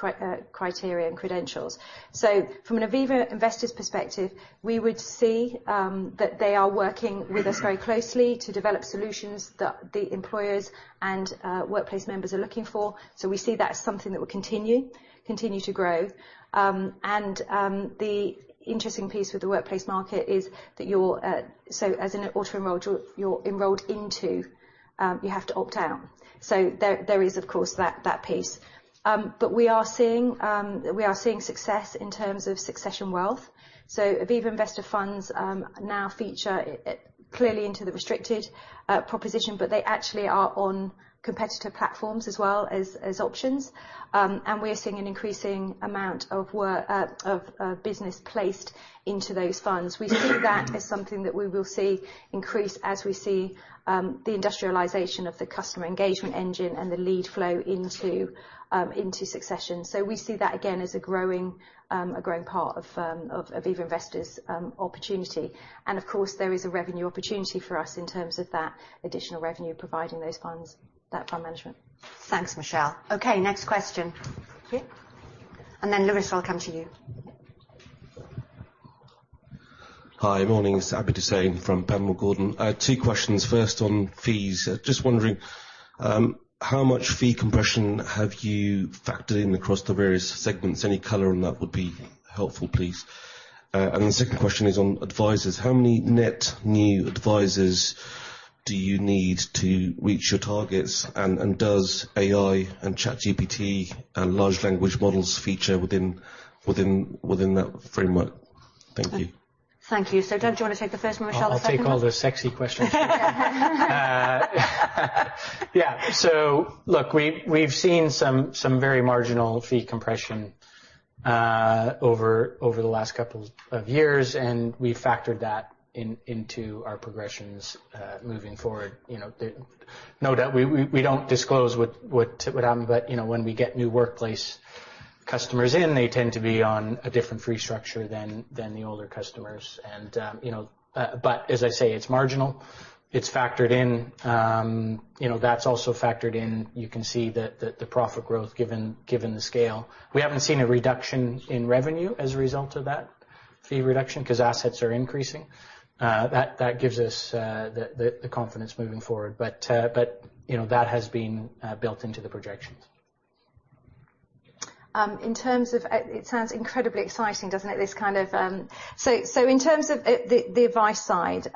Speaker 3: criteria and credentials. So from an Aviva Investors perspective, we would see that they are working with us very closely to develop solutions that the employers and workplace members are looking for. So we see that as something that will continue to grow. And the interesting piece with the workplace market is that you're... So as an auto-enrolled, you're enrolled into, you have to opt out. So there is, of course, that piece. But we are seeing success in terms of Succession Wealth. So Aviva Investors funds now feature it clearly in the restricted proposition, but they actually are on competitor platforms as well as options. And we're seeing an increasing amount of business placed into those funds. We see that as something that we will see increase as we see the industrialization of the customer engagement engine and the lead flow into Succession. So we see that again as a growing part of Aviva Investors' opportunity. Of course, there is a revenue opportunity for us in terms of that additional revenue, providing those funds, that fund management.
Speaker 2: Thanks, Michele. Okay, next question. Yeah. And then, Lewis, I'll come to you.
Speaker 7: Hi. Morning, this is Abid Hussain from Panmure Gordon. I have two questions. First, on fees. Just wondering, how much fee compression have you factored in across the various segments? Any color on that would be helpful, please. And the second question is on advisers. How many net new advisers do you need to reach your targets, and does AI and ChatGPT, and large language models feature within that framework?... Thank you.
Speaker 3: Thank you. So, Doug, do you want to take the first one, Michele, the second?
Speaker 2: I'll take all the sexy questions. Yeah. So look, we've seen some very marginal fee compression over the last couple of years, and we factored that in, into our projections moving forward. You know, no doubt, we don't disclose what, but you know, when we get new workplace customers in, they tend to be on a different fee structure than the older customers. And you know, but as I say, it's marginal. It's factored in. You know, that's also factored in. You can see the profit growth, given the scale. We haven't seen a reduction in revenue as a result of that fee reduction, 'cause assets are increasing. That gives us the confidence moving forward. But you know, that has been built into the projections.
Speaker 3: In terms of... It sounds incredibly exciting, doesn't it? This kind of... So, in terms of the advice side,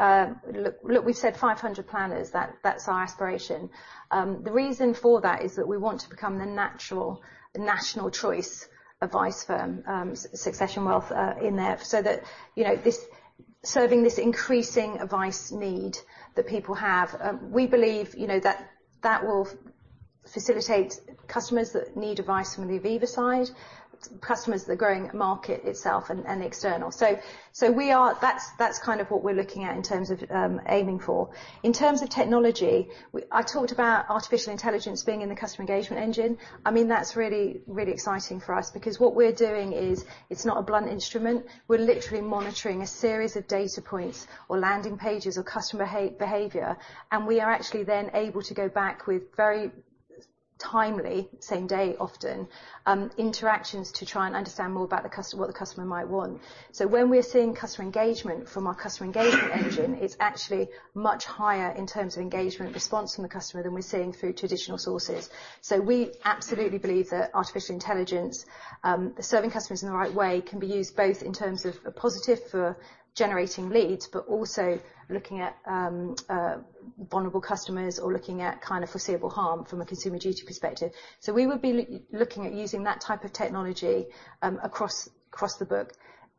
Speaker 3: look, we've said 500 planners. That's our aspiration. The reason for that is that we want to become the natural national choice advice firm, Succession Wealth in there, so that, you know, this... Serving this increasing advice need that people have, we believe, you know, that that will facilitate customers that need advice from the Aviva side, customers, the growing market itself, and external. So, we are—that's kind of what we're looking at in terms of aiming for. In terms of technology, we... I talked about artificial intelligence being in the customer engagement engine. I mean, that's really, really exciting for us because what we're doing is, it's not a blunt instrument. We're literally monitoring a series of data points or landing pages or customer behavior, and we are actually then able to go back with very timely, same day often, interactions to try and understand more about the customer, what the customer might want. So when we're seeing customer engagement from our customer engagement engine, it's actually much higher in terms of engagement response from the customer than we're seeing through traditional sources. So we absolutely believe that artificial intelligence, serving customers in the right way, can be used both in terms of a positive for generating leads, but also looking at, vulnerable customers or looking at kind of foreseeable harm from a Consumer Duty perspective. So we would be looking at using that type of technology, across the book.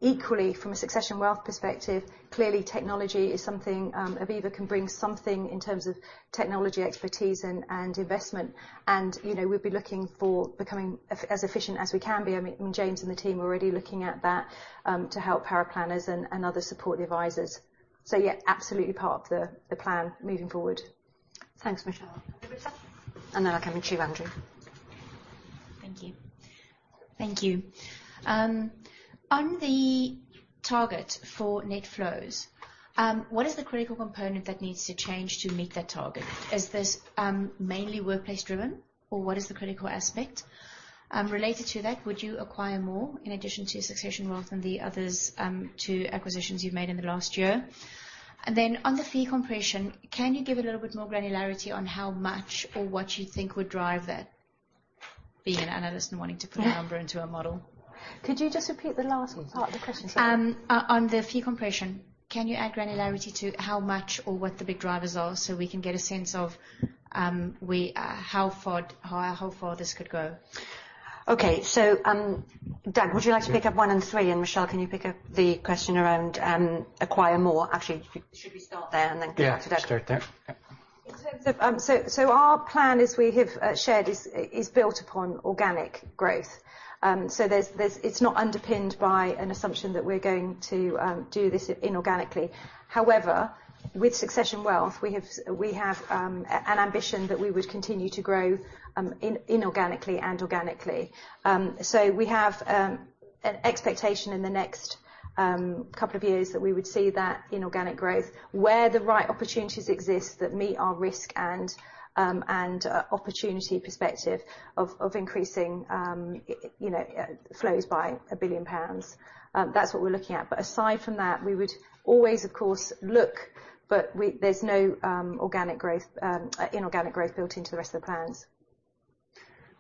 Speaker 3: Equally, from a Succession Wealth perspective, clearly, technology is something Aviva can bring something in terms of technology expertise and, and investment. And, you know, we'll be looking for becoming as efficient as we can be. I mean, James and the team are already looking at that, to help our planners and, and other support advisors. So, yeah, absolutely part of the, the plan moving forward.
Speaker 1: Thanks, Michele.
Speaker 3: And then I come to you, Andrew.
Speaker 8: Thank you. Thank you. On the target for net flows, what is the critical component that needs to change to meet that target? Is this mainly workplace driven, or what is the critical aspect? Related to that, would you acquire more in addition to Succession Wealth than the others two acquisitions you've made in the last year? And then on the fee compression, can you give a little bit more granularity on how much or what you think would drive that, being an analyst and wanting to put a number into a model?
Speaker 3: Could you just repeat the last part of the question, sorry?
Speaker 8: On the fee compression, can you add granularity to how much or what the big drivers are, so we can get a sense of how far this could go?
Speaker 3: Okay, so, Doug, would you like to pick up one and three, and, Michele, can you pick up the question around acquire more? Actually, should we start there and then come back to that?
Speaker 2: Yeah, start there. Yep.
Speaker 3: In terms of... So, our plan, as we have shared, is built upon organic growth. So, it's not underpinned by an assumption that we're going to do this inorganically. However, with Succession Wealth, we have an ambition that we would continue to grow inorganically and organically. So we have an expectation in the next couple of years that we would see that inorganic growth, where the right opportunities exist, that meet our risk and opportunity perspective of increasing, you know, flows by 1 billion pounds. That's what we're looking at. But aside from that, we would always, of course, look, but we... There's no organic growth, inorganic growth built into the rest of the plans,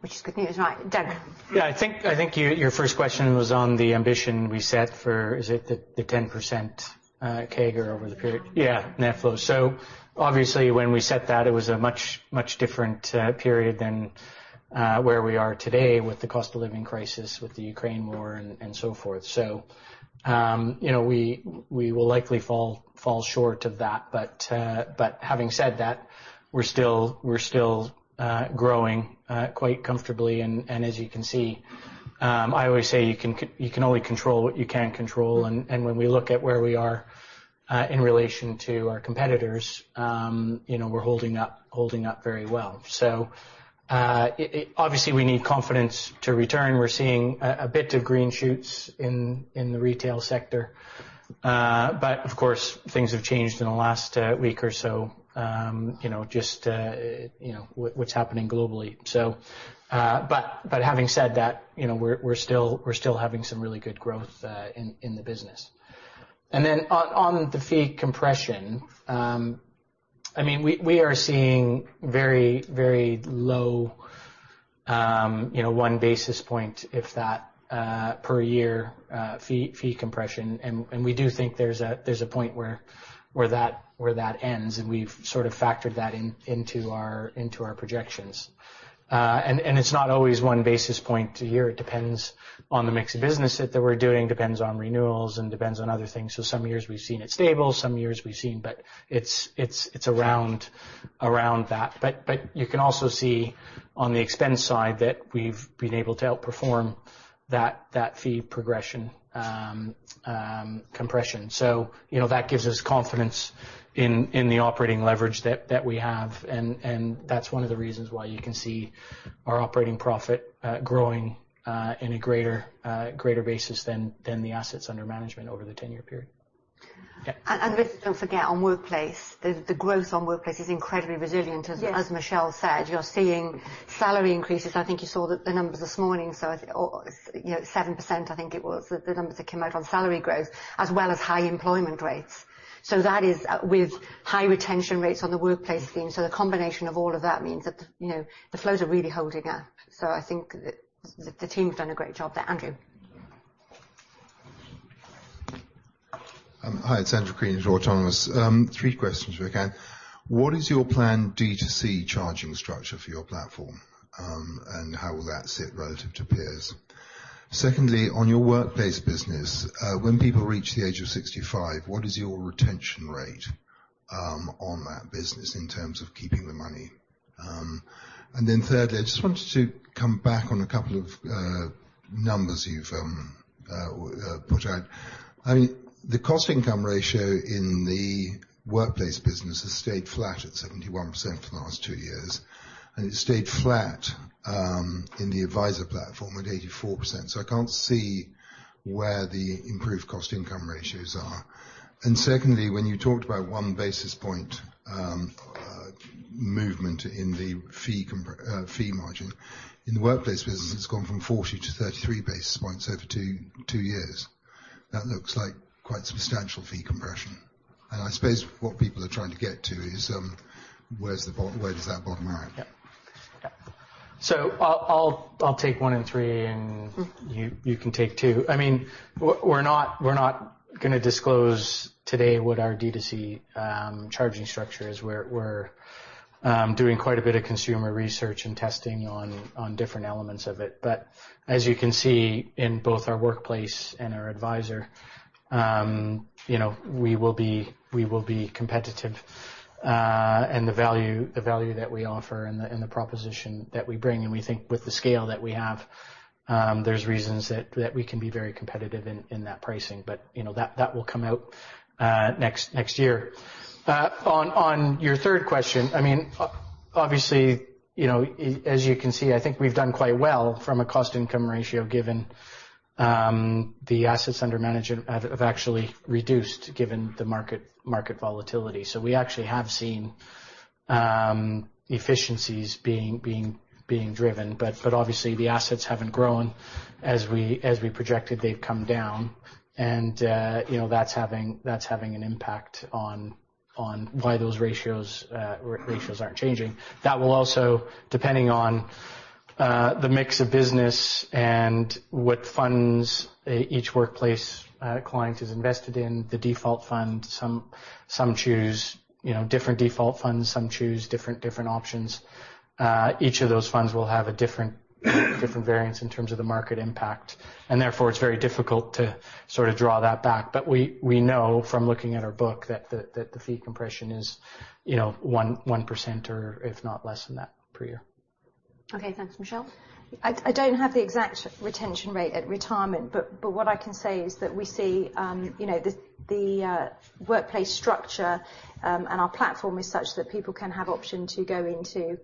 Speaker 3: which is good news, right? Doug?
Speaker 2: Yeah, I think, I think your first question was on the ambition we set for... Is it the 10% CAGR over the period?
Speaker 8: Yeah.
Speaker 2: Yeah, net flow. So obviously, when we set that, it was a much, much different period than where we are today with the cost of living crisis, with the Ukraine war and so forth. So, you know, we will likely fall short of that, but having said that, we're still growing quite comfortably. And as you can see, I always say, you can only control what you can control. And when we look at where we are in relation to our competitors, you know, we're holding up very well. So, it... Obviously, we need confidence to return. We're seeing a bit of green shoots in the retail sector. But of course, things have changed in the last week or so, you know, just, you know, with what's happening globally. So, but having said that, you know, we're still having some really good growth in the business. And then on the fee compression, I mean, we are seeing very, very low—you know, one basis point, if that, per year, fee compression. And we do think there's a point where that ends, and we've sort of factored that in, into our projections. And it's not always one basis point a year. It depends on the mix of business that we're doing, depends on renewals, and depends on other things. So some years we've seen it stable, some years we've seen... But it's around that. But you can also see on the expense side that we've been able to outperform that fee progression, compression. So, you know, that gives us confidence in the operating leverage that we have. And that's one of the reasons why you can see our operating profit growing in a greater basis than the assets under management over the 10-year period. Yeah.
Speaker 1: And, let's don't forget, on workplace, the growth on workplace is incredibly resilient-
Speaker 3: Yes.
Speaker 1: As, as Michele said. You're seeing salary increases. I think you saw the numbers this morning, so, you know, 7%, I think it was, the numbers that came out on salary growth, as well as high employment rates. So that is with high retention rates on the workplace scheme. So the combination of all of that means that, you know, the flows are really holding up. So I think the team has done a great job there. Andrew?
Speaker 9: Hi, it's Andrew Crean from Autonomous. Three questions if I can. What is your plan DC charging structure for your platform, and how will that sit relative to peers? Secondly, on your workplace business, when people reach the age of 65, what is your retention rate, on that business in terms of keeping the money? And then thirdly, I just wanted to come back on a couple of numbers you've put out. I mean, the cost income ratio in the workplace business has stayed flat at 71% for the last two years, and it stayed flat, in the advisor platform at 84%. So I can't see where the improved cost income ratios are. And secondly, when you talked about one basis point, movement in the fee compr... fee margin, in the workplace business, it's gone from 40-33 basis points over two years. That looks like quite substantial fee compression. And I suppose what people are trying to get to is, where's the bottom, where does that bottom out?
Speaker 2: Yeah. So I'll take one and three, and-
Speaker 1: Mm-hmm...
Speaker 2: you can take two. I mean, we're not gonna disclose today what our DC charging structure is. We're doing quite a bit of consumer research and testing on different elements of it. But as you can see, in both our workplace and our advisor, you know, we will be competitive, and the value that we offer and the proposition that we bring, and we think with the scale that we have, there's reasons that we can be very competitive in that pricing. But, you know, that will come out next year. On your third question, I mean, obviously, you know, as you can see, I think we've done quite well from a cost-income ratio, given the assets under management have actually reduced, given the market volatility. So we actually have seen efficiencies being driven, but obviously, the assets haven't grown. As we projected, they've come down and, you know, that's having an impact on why those ratios aren't changing. That will also, depending on the mix of business and what funds each workplace client is invested in, the default fund. Some choose, you know, different default funds, some choose different options. Each of those funds will have a different variance in terms of the market impact, and therefore, it's very difficult to sort of draw that back. But we know from looking at our book that the fee compression is, you know, 1%, or if not less than that per year.
Speaker 1: Okay, thanks. Michele?
Speaker 3: I don't have the exact retention rate at retirement, but what I can say is that we see, you know, the workplace structure, and our platform is such that people can have option to go into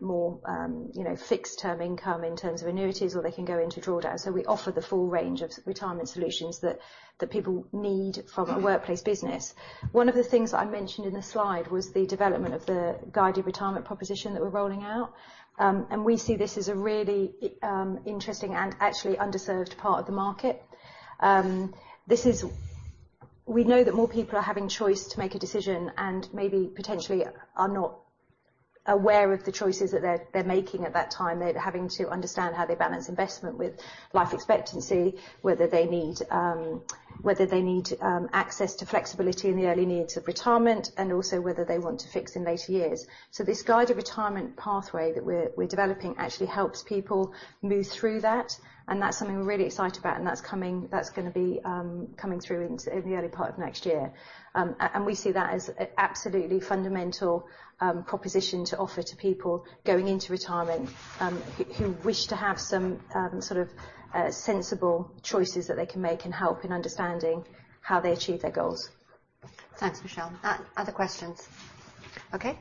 Speaker 3: more, you know, fixed term income in terms of annuities, or they can go into drawdown. So we offer the full range of retirement solutions that people need from a workplace business. One of the things I mentioned in the slide was the development of the guided retirement proposition that we're rolling out. And we see this as a really interesting and actually underserved part of the market. This is... We know that more people are having choice to make a decision and maybe potentially are not aware of the choices that they're making at that time. They're having to understand how they balance investment with life expectancy, whether they need access to flexibility in the early needs of retirement, and also whether they want to fix in later years. So this guided retirement pathway that we're developing actually helps people move through that, and that's something we're really excited about, and that's coming - that's gonna be coming through in the early part of next year. And we see that as absolutely fundamental proposition to offer to people going into retirement, who wish to have some sort of sensible choices that they can make and help in understanding how they achieve their goals.
Speaker 1: Thanks, Michele. Other questions? Okay.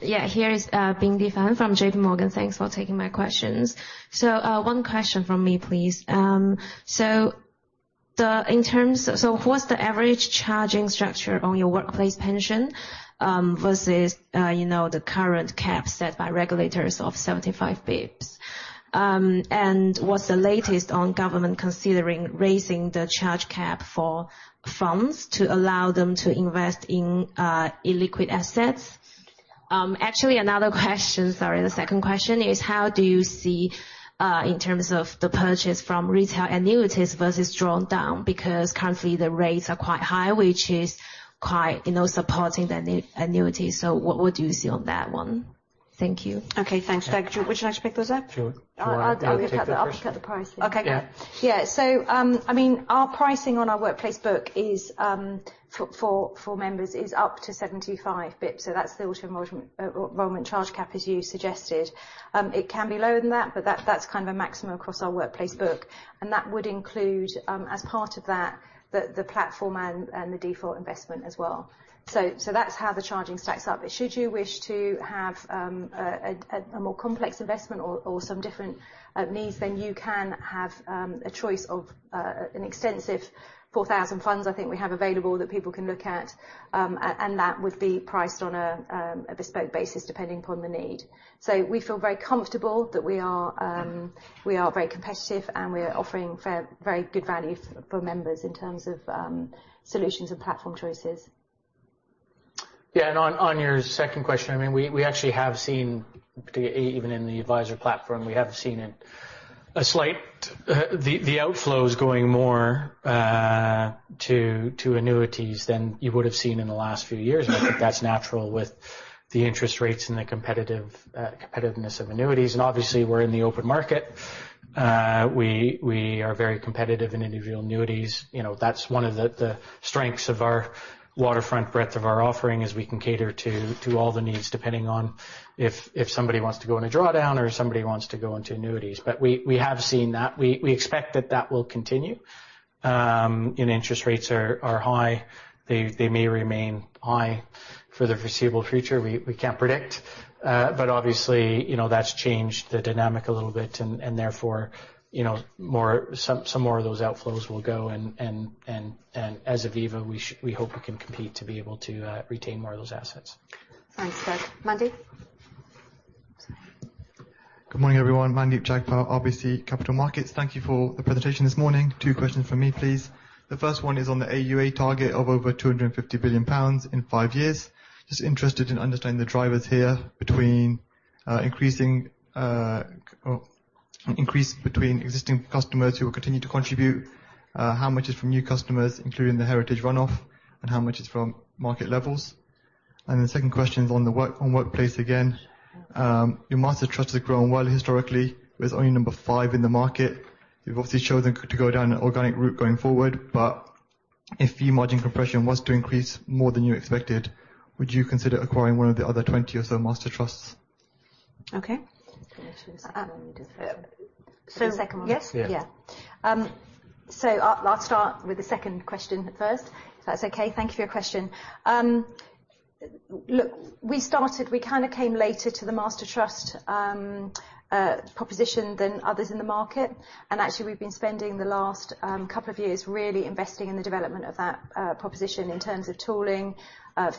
Speaker 10: Yeah, here is Bing Defan[Bing D. Fan] from JPMorgan. Thanks for taking my questions. So, one question from me, please. So the... In terms-- So what's the average charging structure on your workplace pension, versus, you know, the current cap set by regulators of 75 bps?... and what's the latest on government considering raising the charge cap for funds to allow them to invest in illiquid assets? Actually, another question. Sorry, the second question is: How do you see, in terms of the purchase from retail annuities versus drawdown? Because currently, the rates are quite high, which is quite, you know, supporting the annuity. So what would you see on that one? Thank you. Okay, thanks, Beck. Would you like to pick those up?
Speaker 2: Sure.
Speaker 3: I'll get the pricing.
Speaker 10: Okay.
Speaker 2: Yeah.
Speaker 3: Yeah. So, I mean, our pricing on our workplace book is for members is up to 75 basis points, so that's the auto enrollment charge cap, as you suggested. It can be lower than that, but that's kind of a maximum across our workplace book, and that would include, as part of that, the platform and the default investment as well. So that's how the charging stacks up. But should you wish to have a more complex investment or some different needs, then you can have a choice of an extensive 4,000 funds I think we have available that people can look at. And that would be priced on a bespoke basis, depending upon the need. So we feel very comfortable that we are, we are very competitive, and we are offering fair, very good value for members in terms of, solutions and platform choices.
Speaker 2: Yeah, and on your second question, I mean, we actually have seen, particularly even in the adviser platform, we have seen it a slight... the outflows going more to annuities than you would have seen in the last few years.
Speaker 10: Mm-hmm.
Speaker 2: I think that's natural with the interest rates and the competitive competitiveness of annuities, and obviously, we're in the open market. We are very competitive in individual annuities. You know, that's one of the strengths of our waterfront breadth of our offering, is we can cater to all the needs, depending on if somebody wants to go in a drawdown or if somebody wants to go into annuities. But we have seen that. We expect that that will continue. And interest rates are high. They may remain high for the foreseeable future. We can't predict, but obviously, you know, that's changed the dynamic a little bit, and therefore, you know, more... Some more of those outflows will go, and as Aviva, we hope we can compete to be able to retain more of those assets.
Speaker 1: Thanks, Doug. Mandeep?
Speaker 11: Good morning, everyone. Mandeep Jagpal, RBC Capital Markets. Thank you for the presentation this morning. Two questions for me, please. The first one is on the AUA target of over 250 billion pounds in five years. Just interested in understanding the drivers here between increasing or increase between existing customers who will continue to contribute, how much is from new customers, including the heritage runoff, and how much is from market levels? And the second question is on the workplace again. Your master trust has grown well historically, but it's only number five in the market. You've obviously chosen to go down an organic route going forward, but if fee margin compression was to increase more than you expected, would you consider acquiring one of the other 20 or so master trusts?
Speaker 3: Okay.
Speaker 11: Can I choose the first?
Speaker 3: So-
Speaker 11: The second one.
Speaker 3: Yes.
Speaker 11: Yeah.
Speaker 3: Yeah. So I'll start with the second question first, if that's okay. Thank you for your question. Look, we started... We kind of came later to the Master Trust, proposition than others in the market, and actually, we've been spending the last couple of years really investing in the development of that, proposition in terms of tooling,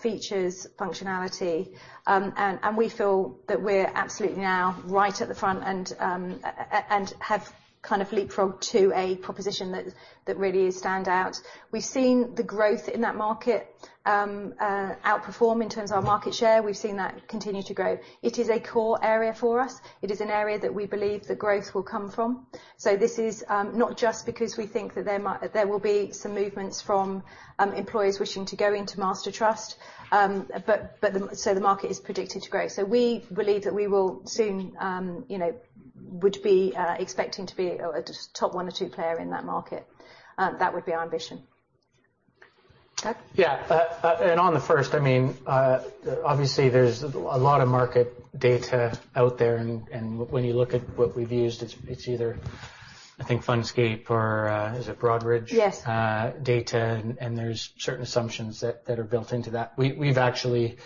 Speaker 3: features, functionality. And we feel that we're absolutely now right at the front and, and have kind of leapfrogged to a proposition that, that really is stand out. We've seen the growth in that market, outperform in terms of our market share. We've seen that continue to grow. It is a core area for us. It is an area that we believe the growth will come from. So this is not just because we think that there will be some movements from employers wishing to go into Master Trust, but the... So the market is predicted to grow. So we believe that we will soon, you know, would be expecting to be a top one or two player in that market. That would be our ambition. Doug?
Speaker 2: Yeah. And on the first, I mean, obviously, there's a lot of market data out there, and when you look at what we've used, it's either, I think, Fundscape or is it Broadridge?
Speaker 3: Yes.
Speaker 2: Data, and there's certain assumptions that are built into that. We've actually,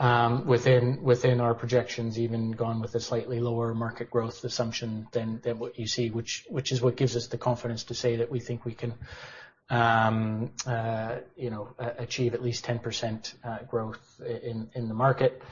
Speaker 2: within our projections, even gone with a slightly lower market growth assumption than what you see, which is what gives us the confidence to say that we think we can, you know, achieve at least 10% growth in the market.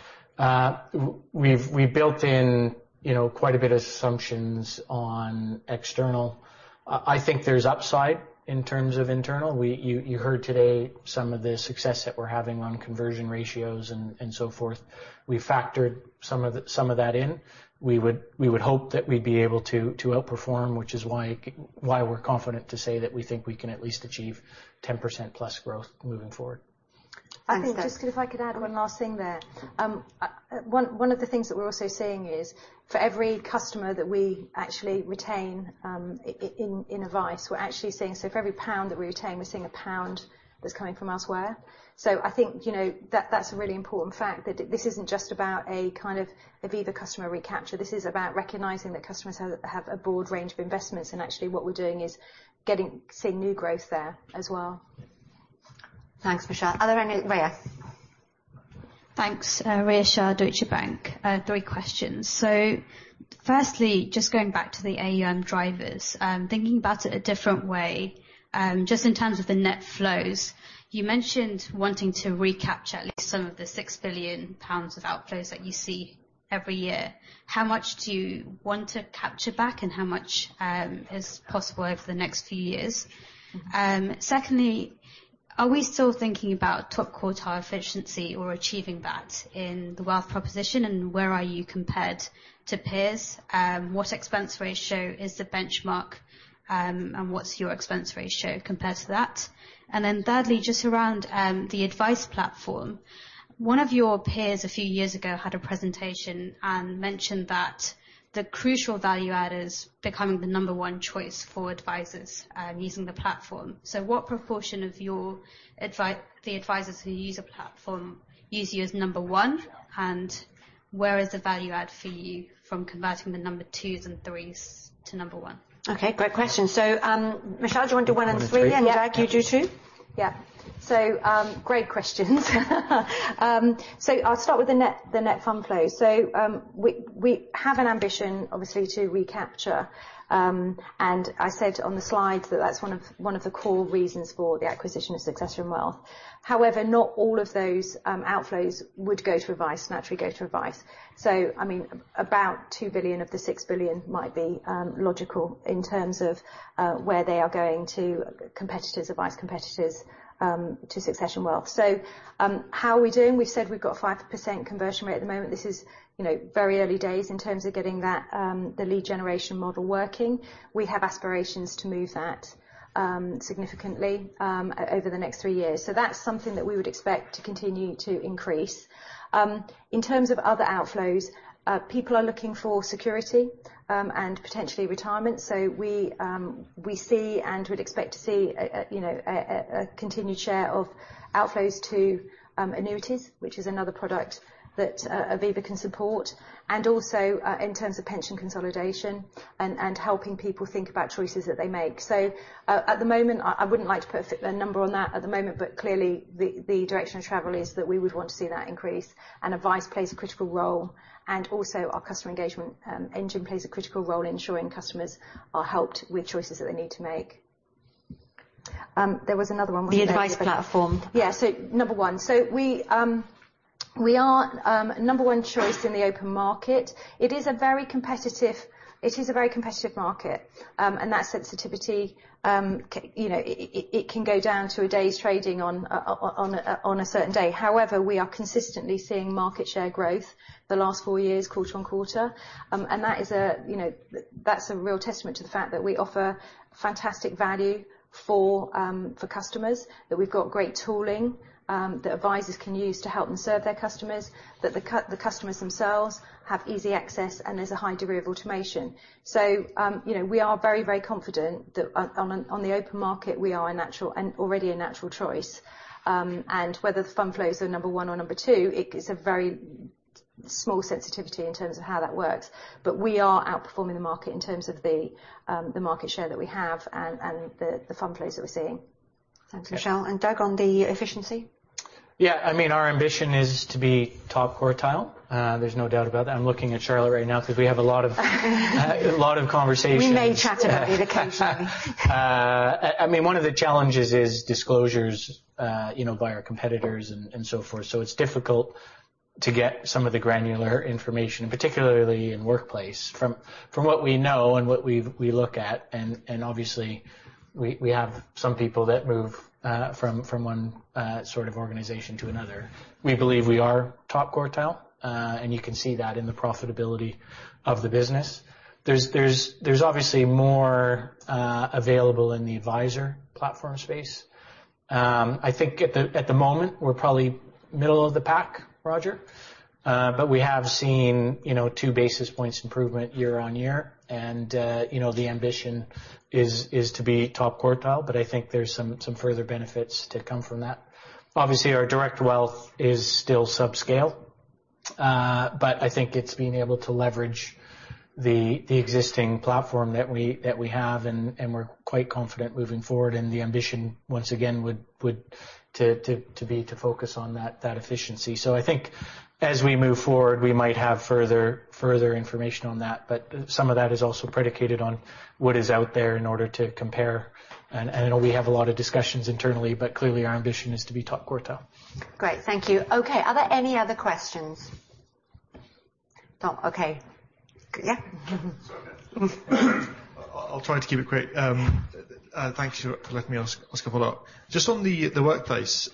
Speaker 2: We've built in, you know, quite a bit of assumptions on external. I think there's upside in terms of internal. We... You heard today some of the success that we're having on conversion ratios and so forth. We factored some of that in. We would hope that we'd be able to outperform, which is why we're confident to say that we think we can at least achieve 10%+ growth moving forward.
Speaker 11: Thanks, Doug.
Speaker 3: I think just if I could add one last thing there. One of the things that we're also seeing is for every customer that we actually retain, in advice, we're actually seeing... So for every pound that we retain, we're seeing a pound that's coming from elsewhere. So I think, you know, that, that's a really important fact, that this isn't just about a kind of Aviva customer recapture. This is about recognizing that customers have a broad range of investments, and actually, what we're doing is seeing new growth there as well.
Speaker 1: Thanks, Michele. Are there any... Rhea.
Speaker 12: Thanks. Ria Shah, Deutsche Bank. Three questions. So firstly, just going back to the AUM drivers, thinking about it a different way, just in terms of the net flows, you mentioned wanting to recapture at least some of the 6 billion pounds of outflows that you see every year, how much do you want to capture back, and how much is possible over the next few years? Secondly, are we still thinking about top quartile efficiency or achieving that in the wealth proposition, and where are you compared to peers? What expense ratio is the benchmark, and what's your expense ratio compared to that? And then thirdly, just around the advice platform. One of your peers a few years ago had a presentation and mentioned that the crucial value add is becoming the number one choice for advisers using the platform. So what proportion of your advisers who use your platform use you as number one, and where is the value add for you from converting the number twos and threes to number one?
Speaker 1: Okay, great question. So, Michele, do you want to do one and three, and Doug, you do two?
Speaker 3: Yeah. So, great questions. So I'll start with the net, the net fund flow. So, we have an ambition, obviously, to recapture... And I said on the slide that that's one of, one of the core reasons for the acquisition of Succession Wealth. However, not all of those outflows would go to advice, naturally go to advice. So, I mean, about 2 billion of the 6 billion might be logical in terms of where they are going to competitors, advice competitors, to Succession Wealth. So, how are we doing? We said we've got a 5% conversion rate at the moment. This is, you know, very early days in terms of getting that, the lead generation model working. We have aspirations to move that significantly over the next three years. So that's something that we would expect to continue to increase. In terms of other outflows, people are looking for security, and potentially retirement, so we see and would expect to see a, you know, a continued share of outflows to annuities, which is another product that Aviva can support, and also, in terms of pension consolidation and helping people think about choices that they make. So, at the moment, I wouldn't like to put a number on that at the moment, but clearly, the direction of travel is that we would want to see that increase, and advice plays a critical role. And also, our customer engagement engine plays a critical role in ensuring customers are helped with choices that they need to make. There was another one-
Speaker 1: The adviser platform.
Speaker 3: Yeah. So number one. So we, we are, number one choice in the open market. It is a very competitive, it is a very competitive market, and that sensitivity, you know, it, it, it can go down to a day's trading on, on a certain day. However, we are consistently seeing market share growth the last four years, quarter on quarter. And that is a, you know, that's a real testament to the fact that we offer fantastic value for, for customers, that we've got great tooling, that advisors can use to help them serve their customers, that the the customers themselves have easy access, and there's a high degree of automation. So, you know, we are very, very confident that on, on the open market, we are a natural and already a natural choice. Whether the fund flows are one or two, it's a very small sensitivity in terms of how that works. But we are outperforming the market in terms of the market share that we have and the fund flows that we're seeing.
Speaker 1: Thanks, Michele. And Doug, on the efficiency?
Speaker 2: Yeah, I mean, our ambition is to be top quartile. There's no doubt about that. I'm looking at Charlotte right now because we have a lot of a lot of conversations.
Speaker 1: We may chat about it occasionally.
Speaker 2: I mean, one of the challenges is disclosures, you know, by our competitors and, and so forth. So it's difficult to get some of the granular information, particularly in workplace, from what we know and what we've we look at, and obviously we have some people that move from one sort of organization to another. We believe we are top quartile, and you can see that in the profitability of the business. There's obviously more available in the advisor platform space. I think at the moment, we're probably middle of the pack, Roger, but we have seen, you know, two basis points improvement year-on-year. And you know, the ambition is to be top quartile, but I think there's some further benefits to come from that. Obviously, our direct wealth is still subscale, but I think it's being able to leverage the existing platform that we have, and we're quite confident moving forward, and the ambition, once again, would be to focus on that efficiency. So I think as we move forward, we might have further information on that, but some of that is also predicated on what is out there in order to compare. And I know we have a lot of discussions internally, but clearly, our ambition is to be top quartile.
Speaker 1: Great. Thank you. Okay, are there any other questions? Tom? Okay. Yeah.
Speaker 6: Sorry. I'll try to keep it quick. Thank you for letting me ask a follow-up. Just on the workplace,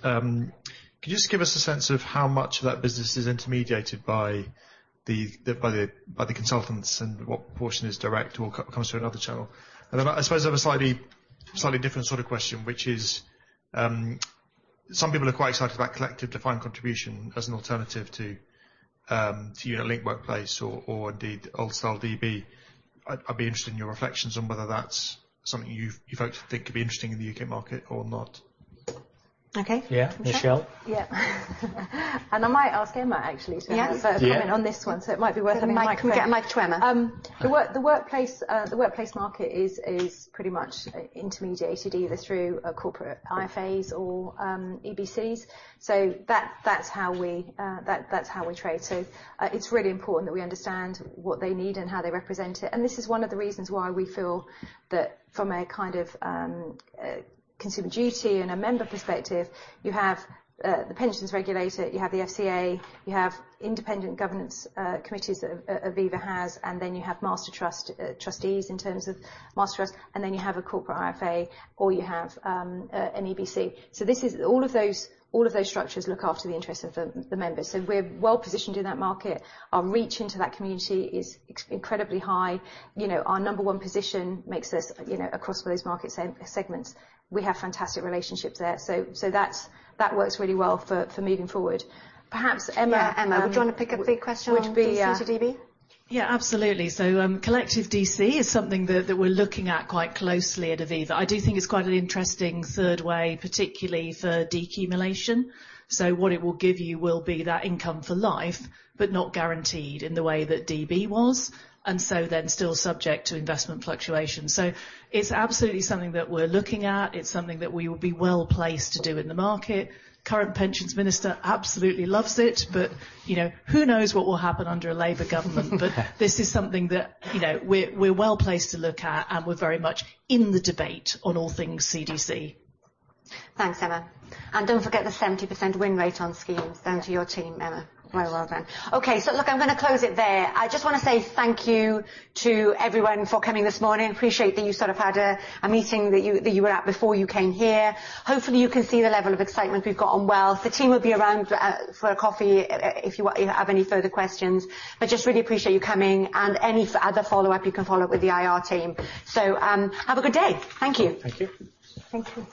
Speaker 6: could you just give us a sense of how much of that business is intermediated by the consultants, and what proportion is direct or comes through another channel? And then, I suppose, I have a slightly different sort of question, which is, some people are quite excited about collective defined contribution as an alternative to, you know, link workplace or indeed, old style DB. I'd be interested in your reflections on whether that's something you folks think could be interesting in the market or not.
Speaker 1: Okay.
Speaker 2: Yeah, Michelle?
Speaker 3: Yeah. And I might ask Emma, actually, to-
Speaker 1: Yeah...
Speaker 3: comment on this one, so it might be worth having the mic.
Speaker 1: Can we get a mic to Emma?
Speaker 3: The workplace market is pretty much intermediated either through corporate IFAs or EBCs. So that's how we trade. So it's really important that we understand what they need and how they represent it, and this is one of the reasons why we feel that from a kind of consumer duty and a member perspective, you have the Pensions Regulator, you have the FCA, you have independent governance committees that Aviva has, and then you have Master Trust trustees in terms of Master Trust, and then you have a corporate IFA or you have an EBC. So this is all of those structures look after the interests of the members. So we're well positioned in that market. Our reach into that community is incredibly high. You know, our number one position makes us, you know, across those market segments, we have fantastic relationships there. So that's, that works really well for, for moving forward. Perhaps Emma-
Speaker 1: Yeah, Emma, would you want to pick up the question on CDC-DB?
Speaker 13: Yeah, absolutely. So, collective DC is something that we're looking at quite closely at Aviva. I do think it's quite an interesting third way, particularly for decumulation. So what it will give you will be that income for life, but not guaranteed in the way that DB was, and so then still subject to investment fluctuation. So it's absolutely something that we're looking at. It's something that we will be well placed to do in the market. Current pensions minister absolutely loves it, but, you know, who knows what will happen under a Labour government? But this is something that, you know, we're well placed to look at, and we're very much in the debate on all things CDC.
Speaker 1: Thanks, Emma. Don't forget the 70% win rate on schemes. Down to your team, Emma.
Speaker 13: Right.
Speaker 1: Well done. Okay, so look, I'm gonna close it there. I just want to say thank you to everyone for coming this morning. I appreciate that you sort of had a meeting that you were at before you came here. Hopefully, you can see the level of excitement we've got on wealth. The team will be around for a coffee if you have any further questions. But just really appreciate you coming, and any other follow-up, you can follow up with the IR team. So, have a good day. Thank you.
Speaker 2: Thank you.
Speaker 13: Thank you.